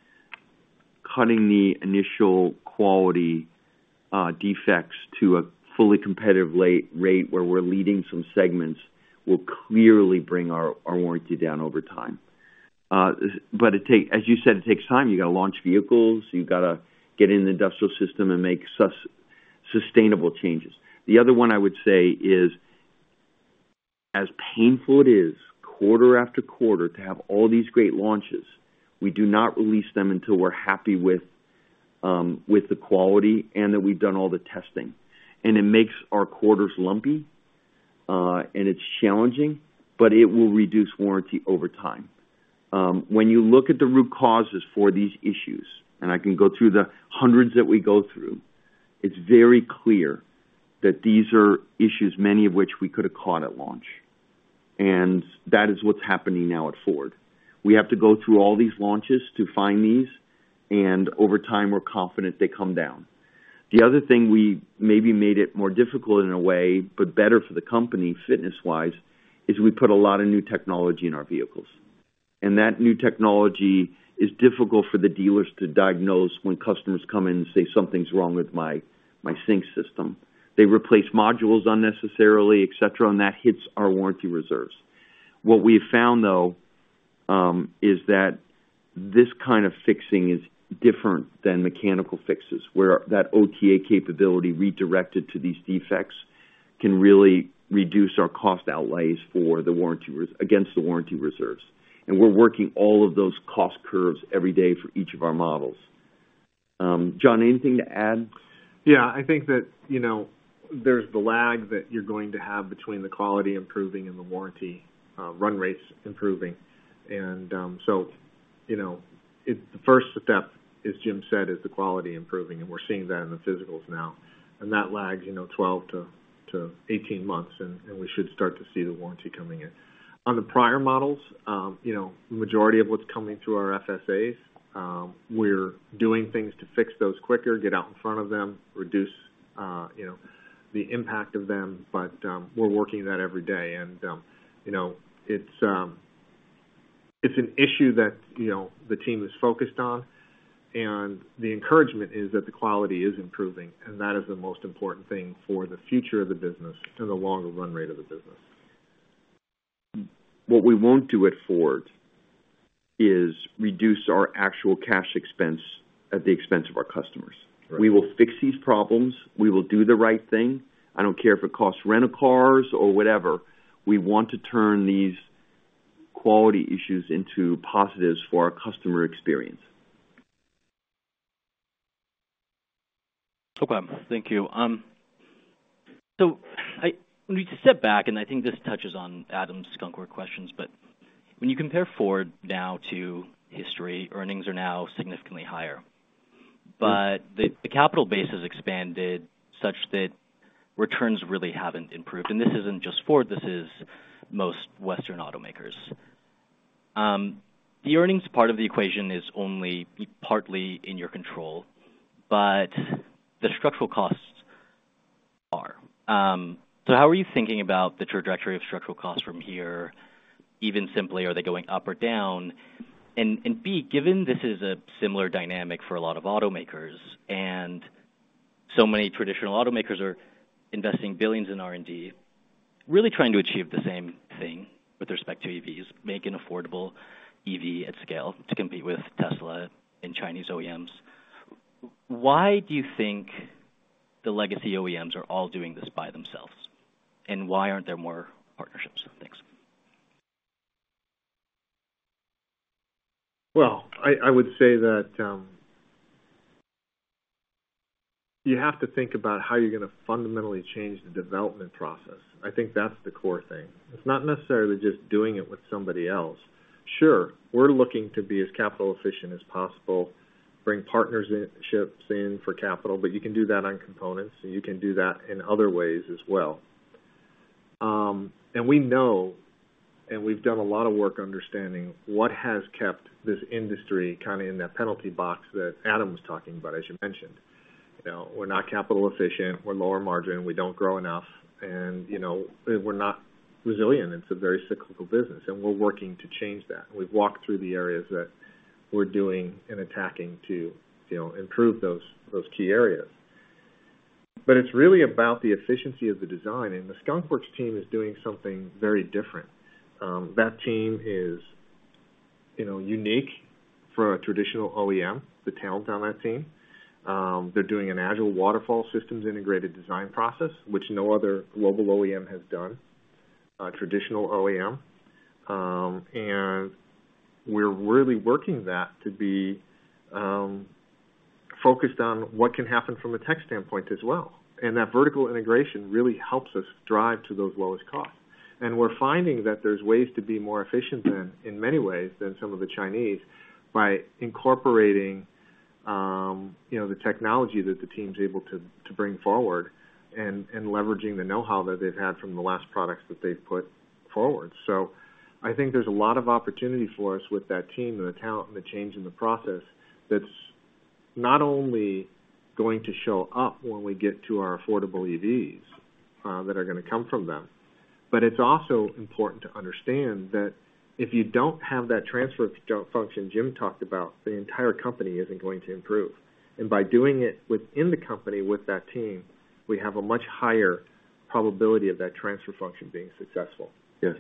cutting the initial quality defects to a fully competitive level rate where we're leading some segments, will clearly bring our warranty down over time. As you said, it takes time. You gotta launch vehicles, you've gotta get in the industrial system and make sustainable changes. The other one I would say is, as painful it is, quarter after quarter, to have all these great launches, we do not release them until we're happy with the quality and that we've done all the testing. It makes our quarters lumpy, and it's challenging, but it will reduce warranty over time. When you look at the root causes for these issues, and I can go through the hundreds that we go through, it's very clear that these are issues, many of which we could have caught at launch, and that is what's happening now at Ford. We have to go through all these launches to find these, and over time, we're confident they come down. The other thing, we maybe made it more difficult in a way, but better for the company, fitness wise, is we put a lot of new technology in our vehicles, and that new technology is difficult for the dealers to diagnose when customers come in and say, "Something's wrong with my, my sync system." They replace modules unnecessarily, et cetera, and that hits our warranty reserves. What we have found, though, is that this kind of fixing is different than mechanical fixes, where that OTA capability redirected to these defects can really reduce our cost outlays for the warranty reserves. And we're working all of those cost curves every day for each of our models. John, anything to add? Yeah, I think that, you know, there's the lag that you're going to have between the quality improving and the warranty run rates improving. And so, you know, it's the first step, as Jim said, is the quality improving, and we're seeing that in the physicals now. And that lags, you know, 12-18 months, and we should start to see the warranty coming in. On the prior models, you know, majority of what's coming through our FSAs, we're doing things to fix those quicker, get out in front of them, reduce, you know, the impact of them. But, we're working that every day and, you know, it's an issue that, you know, the team is focused on, and the encouragement is that the quality is improving, and that is the most important thing for the future of the business and the longer run rate of the business. What we won't do at Ford is reduce our actual cash expense at the expense of our customers. Right. We will fix these problems. We will do the right thing. I don't care if it costs rent-a-cars or whatever. We want to turn these quality issues into positives for our customer experience. Okay, thank you. So let me just step back, and I think this touches on Adam's Skunk Works questions, but when you compare Ford now to history, earnings are now significantly higher. But the capital base has expanded such that returns really haven't improved. And this isn't just Ford, this is most Western automakers. The earnings part of the equation is only partly in your control, but the structural costs. So how are you thinking about the trajectory of structural costs from here? Even simply, are they going up or down? And B, given this is a similar dynamic for a lot of automakers, and so many traditional automakers are investing billions in R&D, really trying to achieve the same thing with respect to EVs, make an affordable EV at scale to compete with Tesla and Chinese OEMs. Why do you think the legacy OEMs are all doing this by themselves? And why aren't there more partnerships? Thanks. Well, I would say that you have to think about how you're gonna fundamentally change the development process. I think that's the core thing. It's not necessarily just doing it with somebody else. Sure, we're looking to be as capital efficient as possible, bring partnerships in for capital, but you can do that on components, and you can do that in other ways as well. And we know, and we've done a lot of work understanding what has kept this industry kinda in that penalty box that Adam was talking about, as you mentioned. You know, we're not capital efficient, we're lower margin, we don't grow enough, and, you know, we're not resilient. It's a very cyclical business, and we're working to change that. We've walked through the areas that we're doing and attacking to, you know, improve those key areas. But it's really about the efficiency of the design, and the Skunk Works team is doing something very different. That team is, you know, unique for a traditional OEM, the talent on that team. They're doing an agile waterfall systems integrated design process, which no other global OEM has done, a traditional OEM. And we're really working that to be focused on what can happen from a tech standpoint as well. And that vertical integration really helps us drive to those lowest costs. And we're finding that there's ways to be more efficient than, in many ways, than some of the Chinese, by incorporating, you know, the technology that the team's able to bring forward and leveraging the know-how that they've had from the last products that they've put forward. I think there's a lot of opportunity for us with that team and the talent and the change in the process, that's not only going to show up when we get to our affordable EVs that are gonna come from them. But it's also important to understand that if you don't have that transfer function Jim talked about, the entire company isn't going to improve. And by doing it within the company with that team, we have a much higher probability of that transfer function being successful. Yes.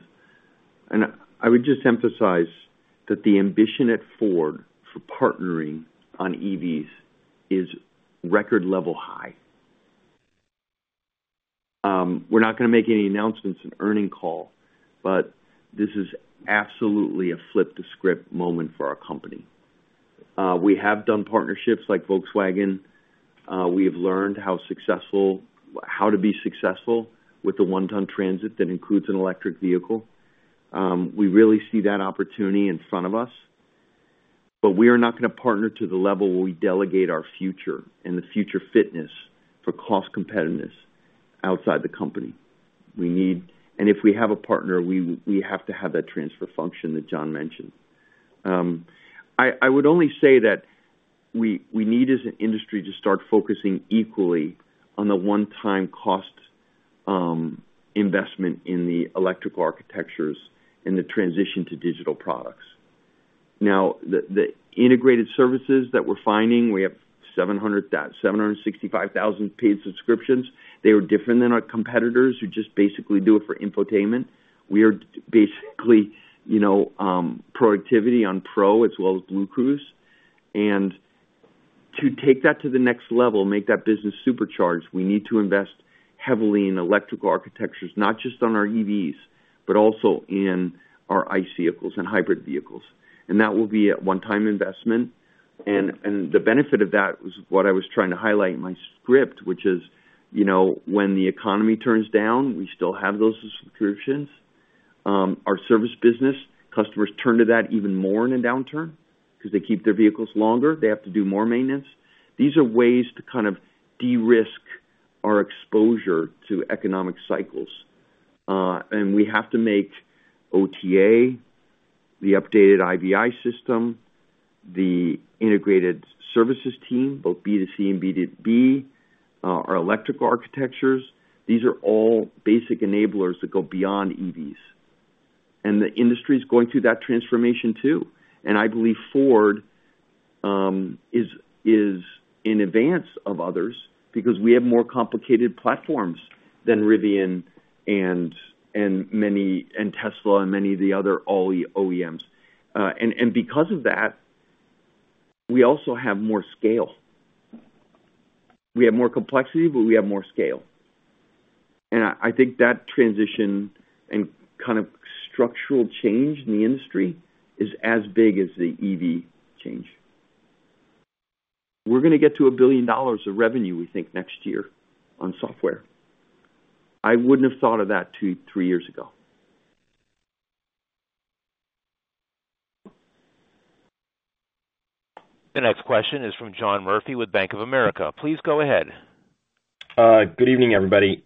I would just emphasize that the ambition at Ford for partnering on EVs is record level high. We're not gonna make any announcements in earnings call, but this is absolutely a flip-the-script moment for our company. We have done partnerships like Volkswagen. We have learned how successful, how to be successful with a one-ton Transit that includes an electric vehicle. We really see that opportunity in front of us, but we are not gonna partner to the level where we delegate our future and the future fitness for cost competitiveness outside the company. And if we have a partner, we, we have to have that transfer function that John mentioned. I would only say that we need, as an industry, to start focusing equally on the one-time cost, investment in the electrical architectures and the transition to digital products. Now, the integrated services that we're finding, we have 765,000 paid subscriptions. They are different than our competitors, who just basically do it for infotainment. We are basically, you know, productivity on Pro as well as BlueCruise. And to take that to the next level, make that business supercharged, we need to invest heavily in electrical architectures, not just on our EVs, but also in our ICE vehicles and hybrid vehicles. And that will be a one-time investment. And the benefit of that was what I was trying to highlight in my script, which is, you know, when the economy turns down, we still have those subscriptions. Our service business, customers turn to that even more in a downturn because they keep their vehicles longer. They have to do more maintenance. These are ways to kind of de-risk our exposure to economic cycles. And we have to make OTA, the updated IVI system, the integrated services team, both B2C and B2B, our electrical architectures. These are all basic enablers that go beyond EVs, and the industry is going through that transformation, too. And I believe Ford is in advance of others because we have more complicated platforms than Rivian and many and Tesla and many of the other OEMs. And because of that, we also have more scale. We have more complexity, but we have more scale. I think that transition and kind of structural change in the industry is as big as the EV change. We're gonna get to $1 billion of revenue, we think, next year on software. I wouldn't have thought of that two, three years ago. The next question is from John Murphy with Bank of America. Please go ahead. Good evening, everybody.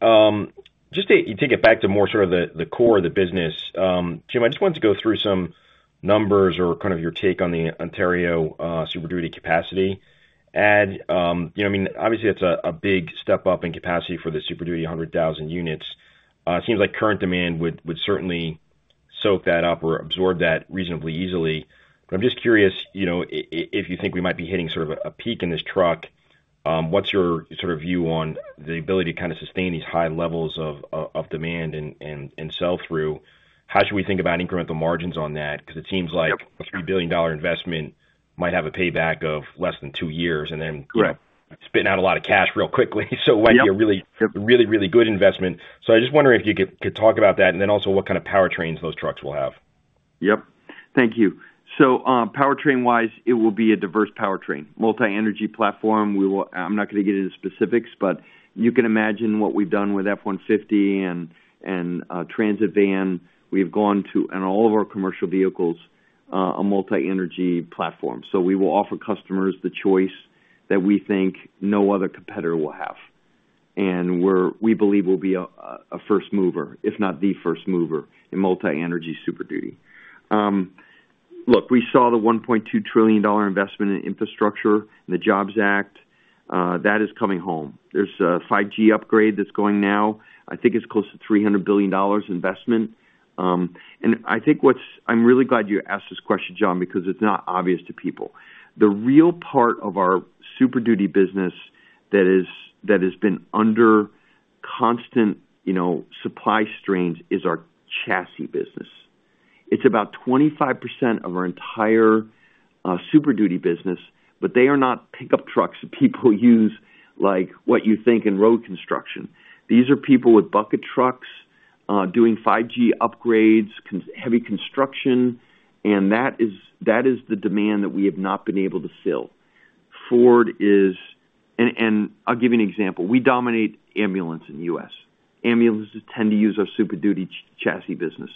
Just to take it back to more sort of the core of the business. Jim, I just wanted to go through some numbers or kind of your take on the Ontario Super Duty capacity add. You know what I mean? Obviously, it's a big step up in capacity for the Super Duty, 100,000 units. It seems like current demand would certainly soak that up or absorb that reasonably easily. But I'm just curious, you know, if you think we might be hitting sort of a peak in this truck, what's your sort of view on the ability to kind of sustain these high levels of demand and sell through? How should we think about incremental margins on that? Because it seems like Yep. $1 billion investment might have a payback of less than two years, and then Correct. spit out a lot of cash real quickly. Yep. So it might be a really Yep. really, really good investment. So I'm just wondering if you could, could talk about that, and then also what kind of powertrains those trucks will have? Yep. Thank you. So, powertrain-wise, it will be a diverse powertrain, multi-energy platform. We will. I'm not going to get into specifics, but you can imagine what we've done with F-150 and transit van. We've gone to, in all of our commercial vehicles, a multi-energy platform. So we will offer customers the choice that we think no other competitor will have. And we're we believe we'll be a first mover, if not the first mover in multi-energy Super Duty. Look, we saw the $1.2 trillion investment in infrastructure and the Jobs Act, that is coming home. There's a 5G upgrade that's going now. I think it's close to $300 billion investment. And I think what's. I'm really glad you asked this question, John, because it's not obvious to people. The real part of our Super Duty business that is, that has been under constant, you know, supply strains, is our chassis business. It's about 25% of our entire Super Duty business, but they are not pickup trucks that people use, like what you think in road construction. These are people with bucket trucks, doing 5G upgrades, heavy construction, and that is, that is the demand that we have not been able to fill. And, and I'll give you an example. We dominate ambulance in the U.S. Ambulances tend to use our Super Duty chassis business.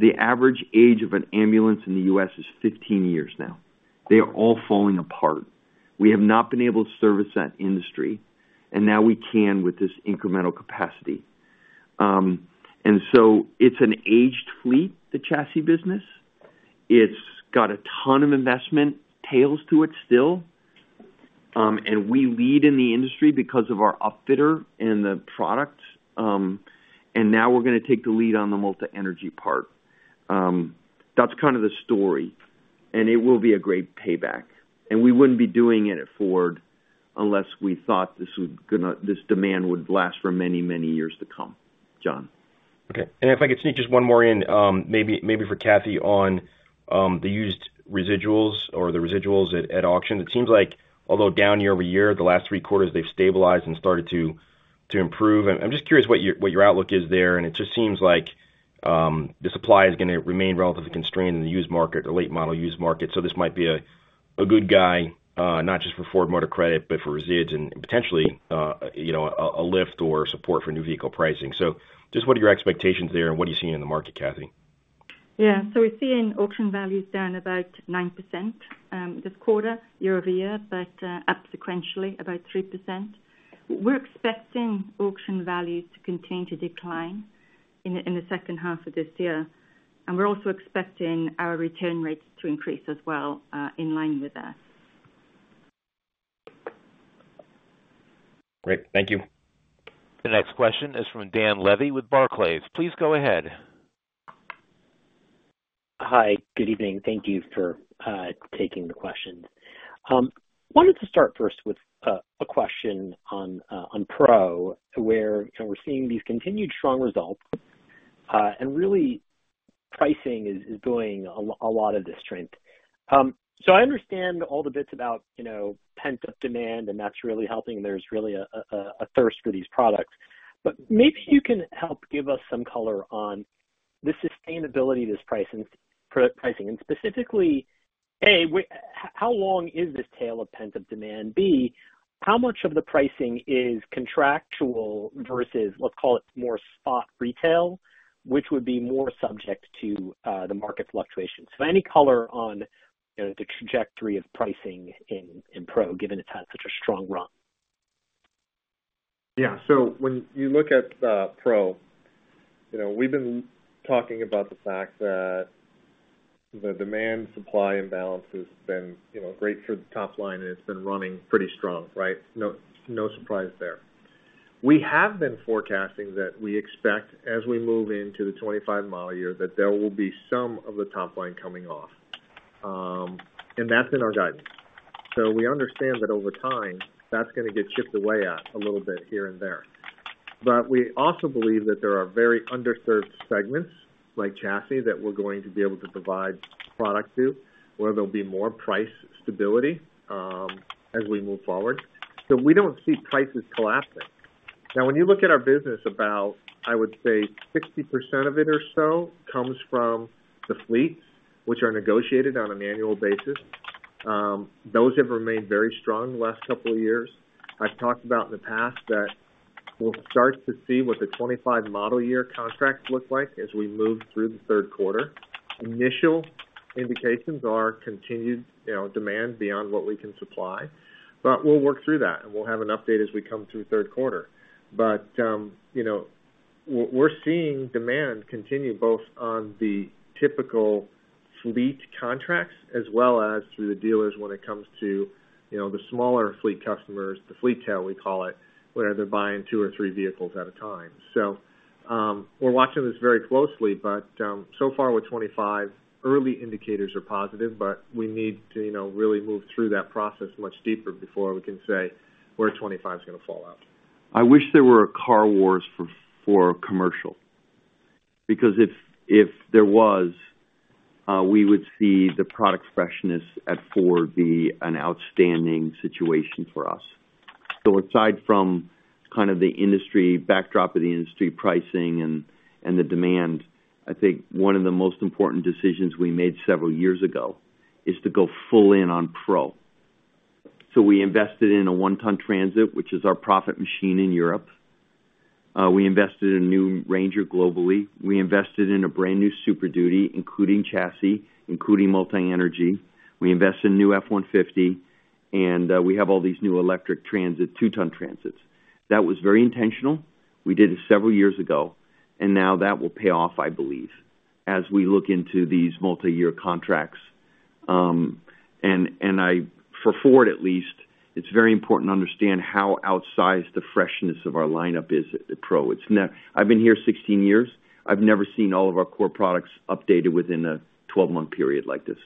The average age of an ambulance in the U.S. is 15 years now. They are all falling apart. We have not been able to service that industry, and now we can with this incremental capacity. And so it's an aged fleet, the chassis business. It's got a ton of investment tails to it still. And we lead in the industry because of our upfitter and the product, and now we're going to take the lead on the multi-energy part. That's kind of the story, and it will be a great payback. And we wouldn't be doing it at Ford unless we thought this demand would last for many, many years to come, John. Okay. And if I could sneak just one more in, maybe, maybe for Cathy on the used residuals or the residuals at auction. It seems like although down year-over-year, the last three quarters, they've stabilized and started to improve. I'm just curious what your outlook is there, and it just seems like the supply is going to remain relatively constrained in the used market, the late model used market. So this might be a good guy, not just for Ford Motor Credit, but for resids and potentially, you know, a lift or support for new vehicle pricing. So just what are your expectations there, and what are you seeing in the market, Cathy? Yeah. So we're seeing auction values down about 9%, this quarter, year-over-year, but up sequentially, about 3%. We're expecting auction values to continue to decline in the second half of this year, and we're also expecting our return rates to increase as well, in line with that. Great. Thank you. The next question is from Dan Levy with Barclays. Please go ahead. Hi, good evening. Thank you for taking the questions. Wanted to start first with a question on Pro, where, you know, we're seeing these continued strong results, and really, pricing is doing a lot of this strength. So I understand all the bits about, you know, pent-up demand, and that's really helping, there's really a thirst for these products. But maybe you can help give us some color on the sustainability of this pricing, and specifically, A, how long is this tail of pent-up demand? B, how much of the pricing is contractual versus, let's call it, more spot retail, which would be more subject to the market fluctuations? So any color on, you know, the trajectory of pricing in Pro, given it's had such a strong run? Yeah. So when you look at Pro, you know, we've been talking about the fact that the demand, supply imbalance has been, you know, great for the top line, and it's been running pretty strong, right? No, no surprise there. We have been forecasting that we expect, as we move into the 2025 model year, that there will be some of the top line coming off. And that's in our guidance. So we understand that over time, that's going to get chipped away at a little bit here and there. But we also believe that there are very underserved segments, like chassis, that we're going to be able to provide product to, where there'll be more price stability, as we move forward. So we don't see prices collapsing. Now, when you look at our business, about, I would say 60% of it or so comes from the fleet, which are negotiated on an annual basis. Those have remained very strong in the last couple of years. I've talked about in the past that we'll start to see what the 2025 model year contracts look like as we move through the third quarter. initial indications are continued, you know, demand beyond what we can supply, but we'll work through that, and we'll have an update as we come through third quarter. But, you know, we're seeing demand continue both on the typical fleet contracts as well as through the dealers when it comes to, you know, the smaller fleet customers, the fleet tail, we call it, where they're buying two or three vehicles at a time. So, we're watching this very closely, but, so far with 2025, early indicators are positive, but we need to, you know, really move through that process much deeper before we can say where 2025's gonna fall out. I wish there were a car wars for, for commercial, because if, if there was, we would see the product freshness at Ford be an outstanding situation for us. So aside from kind of the industry, backdrop of the industry pricing and, and the demand, I think one of the most important decisions we made several years ago is to go full in on Pro. So we invested in a one-ton Transit, which is our profit machine in Europe. We invested in a new Ranger globally. We invested in a brand new Super Duty, including chassis, including multi-energy. We invested in new F-150, and, we have all these new electric Transit, two-ton Transits. That was very intentional. We did it several years ago, and now that will pay off, I believe, as we look into these multi-year contracts. And, for Ford, at least, it's very important to understand how outsized the freshness of our lineup is at the Pro. It's I've been here 16 years. I've never seen all of our core products updated within a 12-month period like this.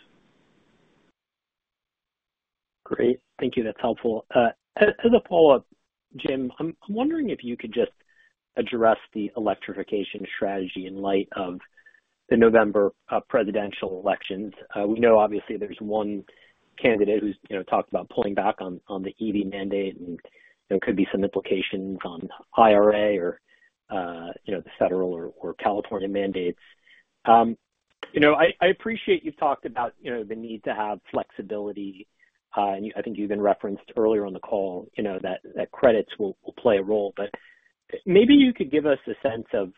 Great. Thank you. That's helpful. As a follow-up, Jim, I'm wondering if you could just address the electrification strategy in light of the November presidential elections. We know obviously there's one candidate who's, you know, talked about pulling back on the EV mandate, and there could be some implications on IRA or, you know, the federal or California mandates. You know, I appreciate you've talked about, you know, the need to have flexibility, and I think you even referenced earlier on the call, you know, that credits will play a role. But maybe you could give us a sense of,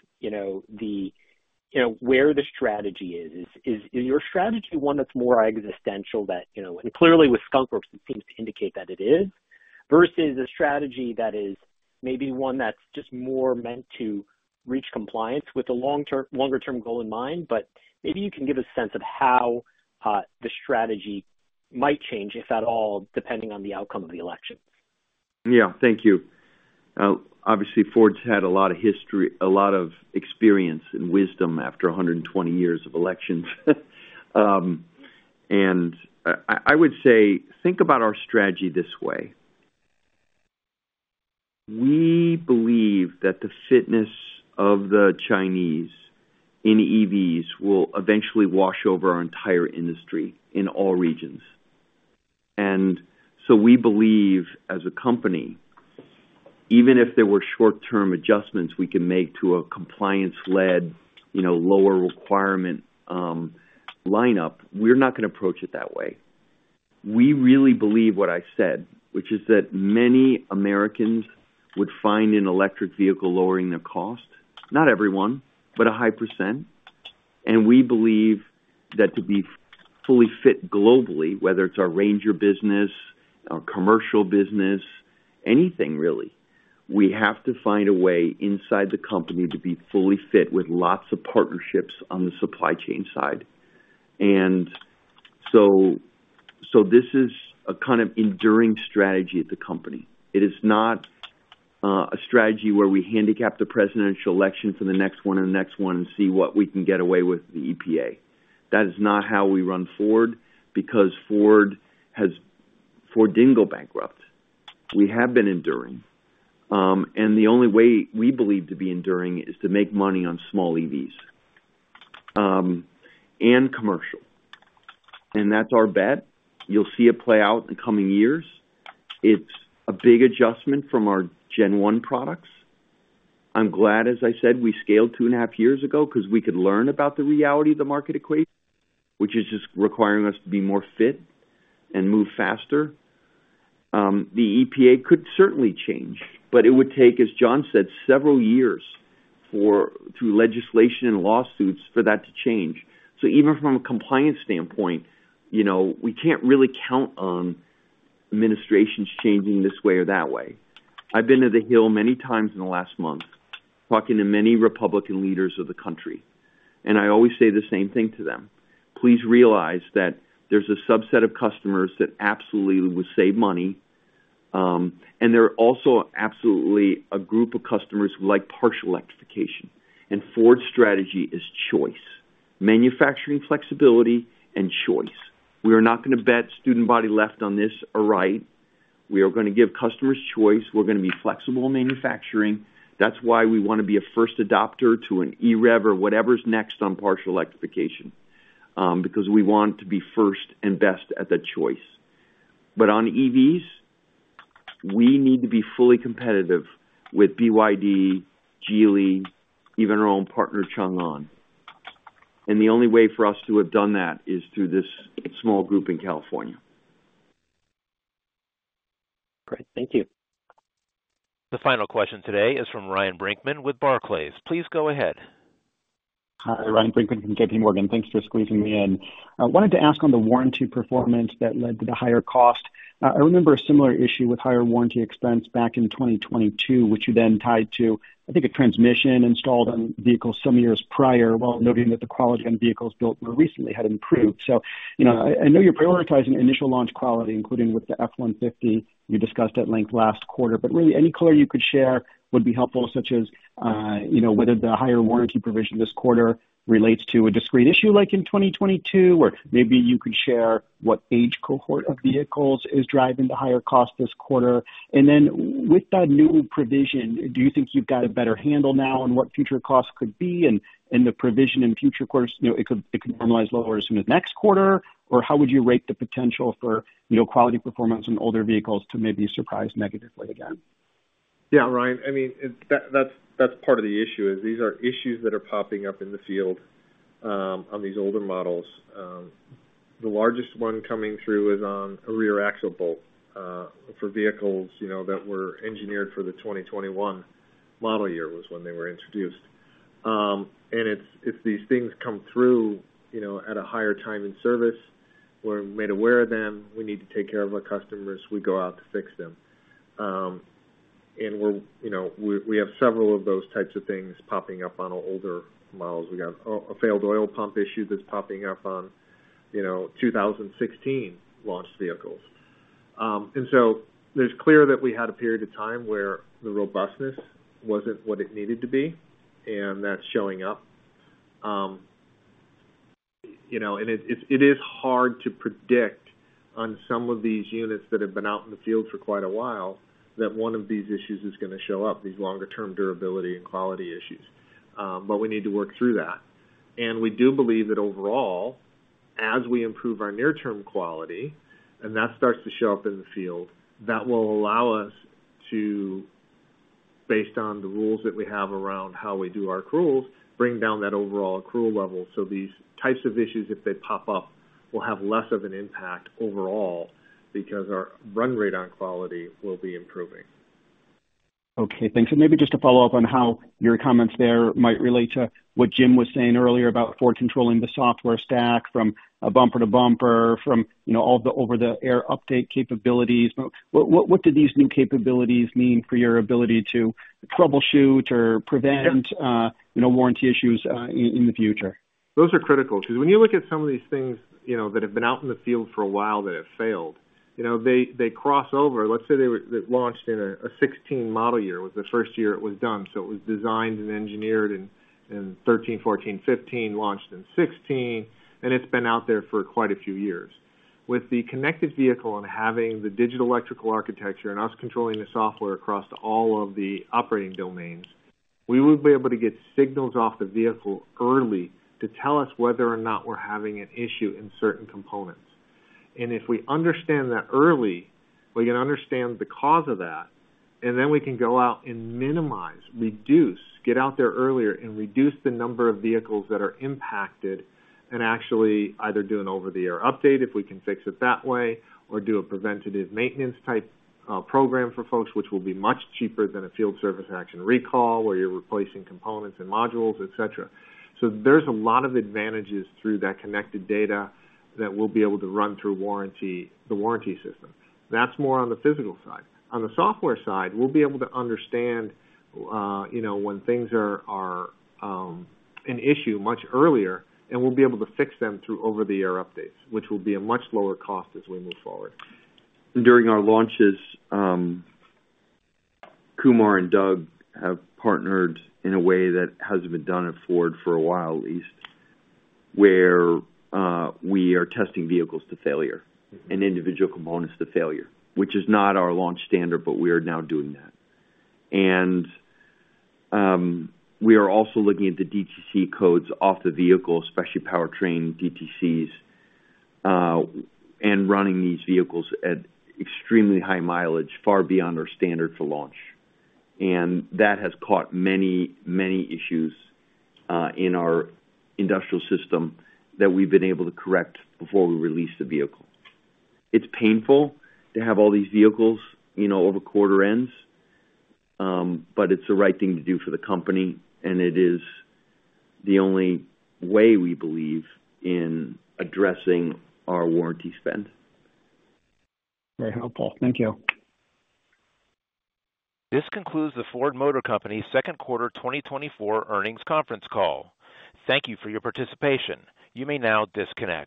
you know, where the strategy is? Is your strategy one that's more existential that, you know, and clearly with Skunk Works, it seems to indicate that it is, versus a strategy that is maybe one that's just more meant to reach compliance with a long term- longer-term goal in mind. But maybe you can give a sense of how the strategy might change, if at all, depending on the outcome of the election. Yeah, thank you. Obviously, Ford's had a lot of history, a lot of experience and wisdom after 120 years of operations. And I would say, think about our strategy this way: We believe that the fierceness of the Chinese in EVs will eventually wash over our entire industry in all regions. And so we believe as a company, even if there were short-term adjustments we can make to a compliance-led, you know, lower requirement lineup, we're not gonna approach it that way. We really believe what I said, which is that many Americans would find an electric vehicle lowering their cost, not everyone, but a high percent. We believe that to be fully fit globally, whether it's our Ranger business, our commercial business, anything really, we have to find a way inside the company to be fully fit with lots of partnerships on the supply chain side. So this is a kind of enduring strategy at the company. It is not a strategy where we handicap the presidential election for the next one or the next one and see what we can get away with the EPA. That is not how we run Ford, because Ford has... Ford didn't go bankrupt. We have been enduring, and the only way we believe to be enduring is to make money on small EVs, and commercial. And that's our bet. You'll see it play out in coming years. It's a big adjustment from our Gen I products. I'm glad, as I said, we scaled two and a half years ago because we could learn about the reality of the market equation, which is just requiring us to be more fit and move faster. The EPA could certainly change, but it would take, as John said, several years for, through legislation and lawsuits, for that to change. So even from a compliance standpoint, you know, we can't really count on administrations changing this way or that way. I've been to the Hill many times in the last month, talking to many Republican leaders of the country, and I always say the same thing to them: Please realize that there's a subset of customers that absolutely would save money, and there are also absolutely a group of customers who like partial electrification. And Ford's strategy is choice, manufacturing flexibility, and choice. We are not gonna bet the farm on the left or right. We are gonna give customers choice. We're gonna be flexible in manufacturing. That's why we wanna be a first adopter to an EREV or whatever's next on partial electrification, because we want to be first and best at that choice. But on EVs, we need to be fully competitive with BYD, Geely, even our own partner, Changan. And the only way for us to have done that is through this small group in California Great. Thank you. The final question today is from Ryan Brinkman with Barclays. Please go ahead. Hi, Ryan Brinkman from J.P. Morgan. Thanks for squeezing me in. I wanted to ask on the warranty performance that led to the higher cost. I remember a similar issue with higher warranty expense back in 2022, which you then tied to, I think, a transmission installed on vehicles some years prior, while noting that the quality on vehicles built more recently had improved. So, you know, I know you're prioritizing initial launch quality, including with the F-150 you discussed at length last quarter, but really, any color you could share would be helpful, such as, you know, whether the higher warranty provision this quarter relates to a discrete issue like in 2022, or maybe you could share what age cohort of vehicles is driving the higher cost this quarter. Then with that new provision, do you think you've got a better handle now on what future costs could be and the provision in future quarters? You know, it could normalize lower as soon as next quarter, or how would you rate the potential for, you know, quality performance on older vehicles to maybe surprise negatively again? Yeah, Ryan, I mean, that's part of the issue, is these are issues that are popping up in the field on these older models. The largest one coming through is on a rear axle bolt for vehicles, you know, that were engineered for the 2021 model year was when they were introduced. And if these things come through, you know, at a higher time in service, we're made aware of them, we need to take care of our customers, we go out to fix them. And we're, you know, we have several of those types of things popping up on our older models. We got a failed oil pump issue that's popping up on, you know, 2016 launched vehicles. So it's clear that we had a period of time where the robustness wasn't what it needed to be, and that's showing up. You know, and it is hard to predict on some of these units that have been out in the field for quite a while, that one of these issues is gonna show up, these longer term durability and quality issues. But we need to work through that. And we do believe that overall, as we improve our near-term quality, and that starts to show up in the field, that will allow us to, based on the rules that we have around how we do our accruals, bring down that overall accrual level. So these types of issues, if they pop up, will have less of an impact overall because our run rate on quality will be improving. Okay, thanks. And maybe just to follow up on how your comments there might relate to what Jim was saying earlier about Ford controlling the software stack from a bumper-to-bumper, from, you know, all the over-the-air update capabilities. What do these new capabilities mean for your ability to troubleshoot or prevent, you know, warranty issues, in the future? Those are critical, because when you look at some of these things, you know, that have been out in the field for a while, that have failed, you know, they, they cross over. Let's say they were. They launched in a 2016 model year, was the first year it was done. So it was designed and engineered in 2013, 2014, 2015, launched in 2016, and it's been out there for quite a few years. With the connected vehicle and having the digital electrical architecture and us controlling the software across all of the operating domains, we will be able to get signals off the vehicle early to tell us whether or not we're having an issue in certain components. And if we understand that early, we can understand the cause of that, and then we can go out and minimize, reduce, get out there earlier and reduce the number of vehicles that are impacted, and actually either do an over-the-air update, if we can fix it that way, or do a preventative maintenance type program for folks, which will be much cheaper than a field service action recall, where you're replacing components and modules, etc. So there's a lot of advantages through that connected data that we'll be able to run through warranty, the warranty system. That's more on the physical side. On the software side, we'll be able to understand, you know, when things are an issue much earlier, and we'll be able to fix them through over-the-air updates, which will be a much lower cost as we move forward. During our launches, Kumar and Doug have partnered in a way that hasn't been done at Ford for a while, at least, where we are testing vehicles to failure and individual components to failure, which is not our launch standard, but we are now doing that. We are also looking at the DTC codes off the vehicle, especially powertrain DTCs, and running these vehicles at extremely high mileage, far beyond our standard for launch. That has caught many, many issues in our industrial system that we've been able to correct before we release the vehicle. It's painful to have all these vehicles, you know, over quarter ends, but it's the right thing to do for the company, and it is the only way we believe in addressing our warranty spend. Very helpful. Thank you. This concludes the Ford Motor Company Second Quarter 2024 Earnings Conference Call. Thank you for your participation. You may now disconnect.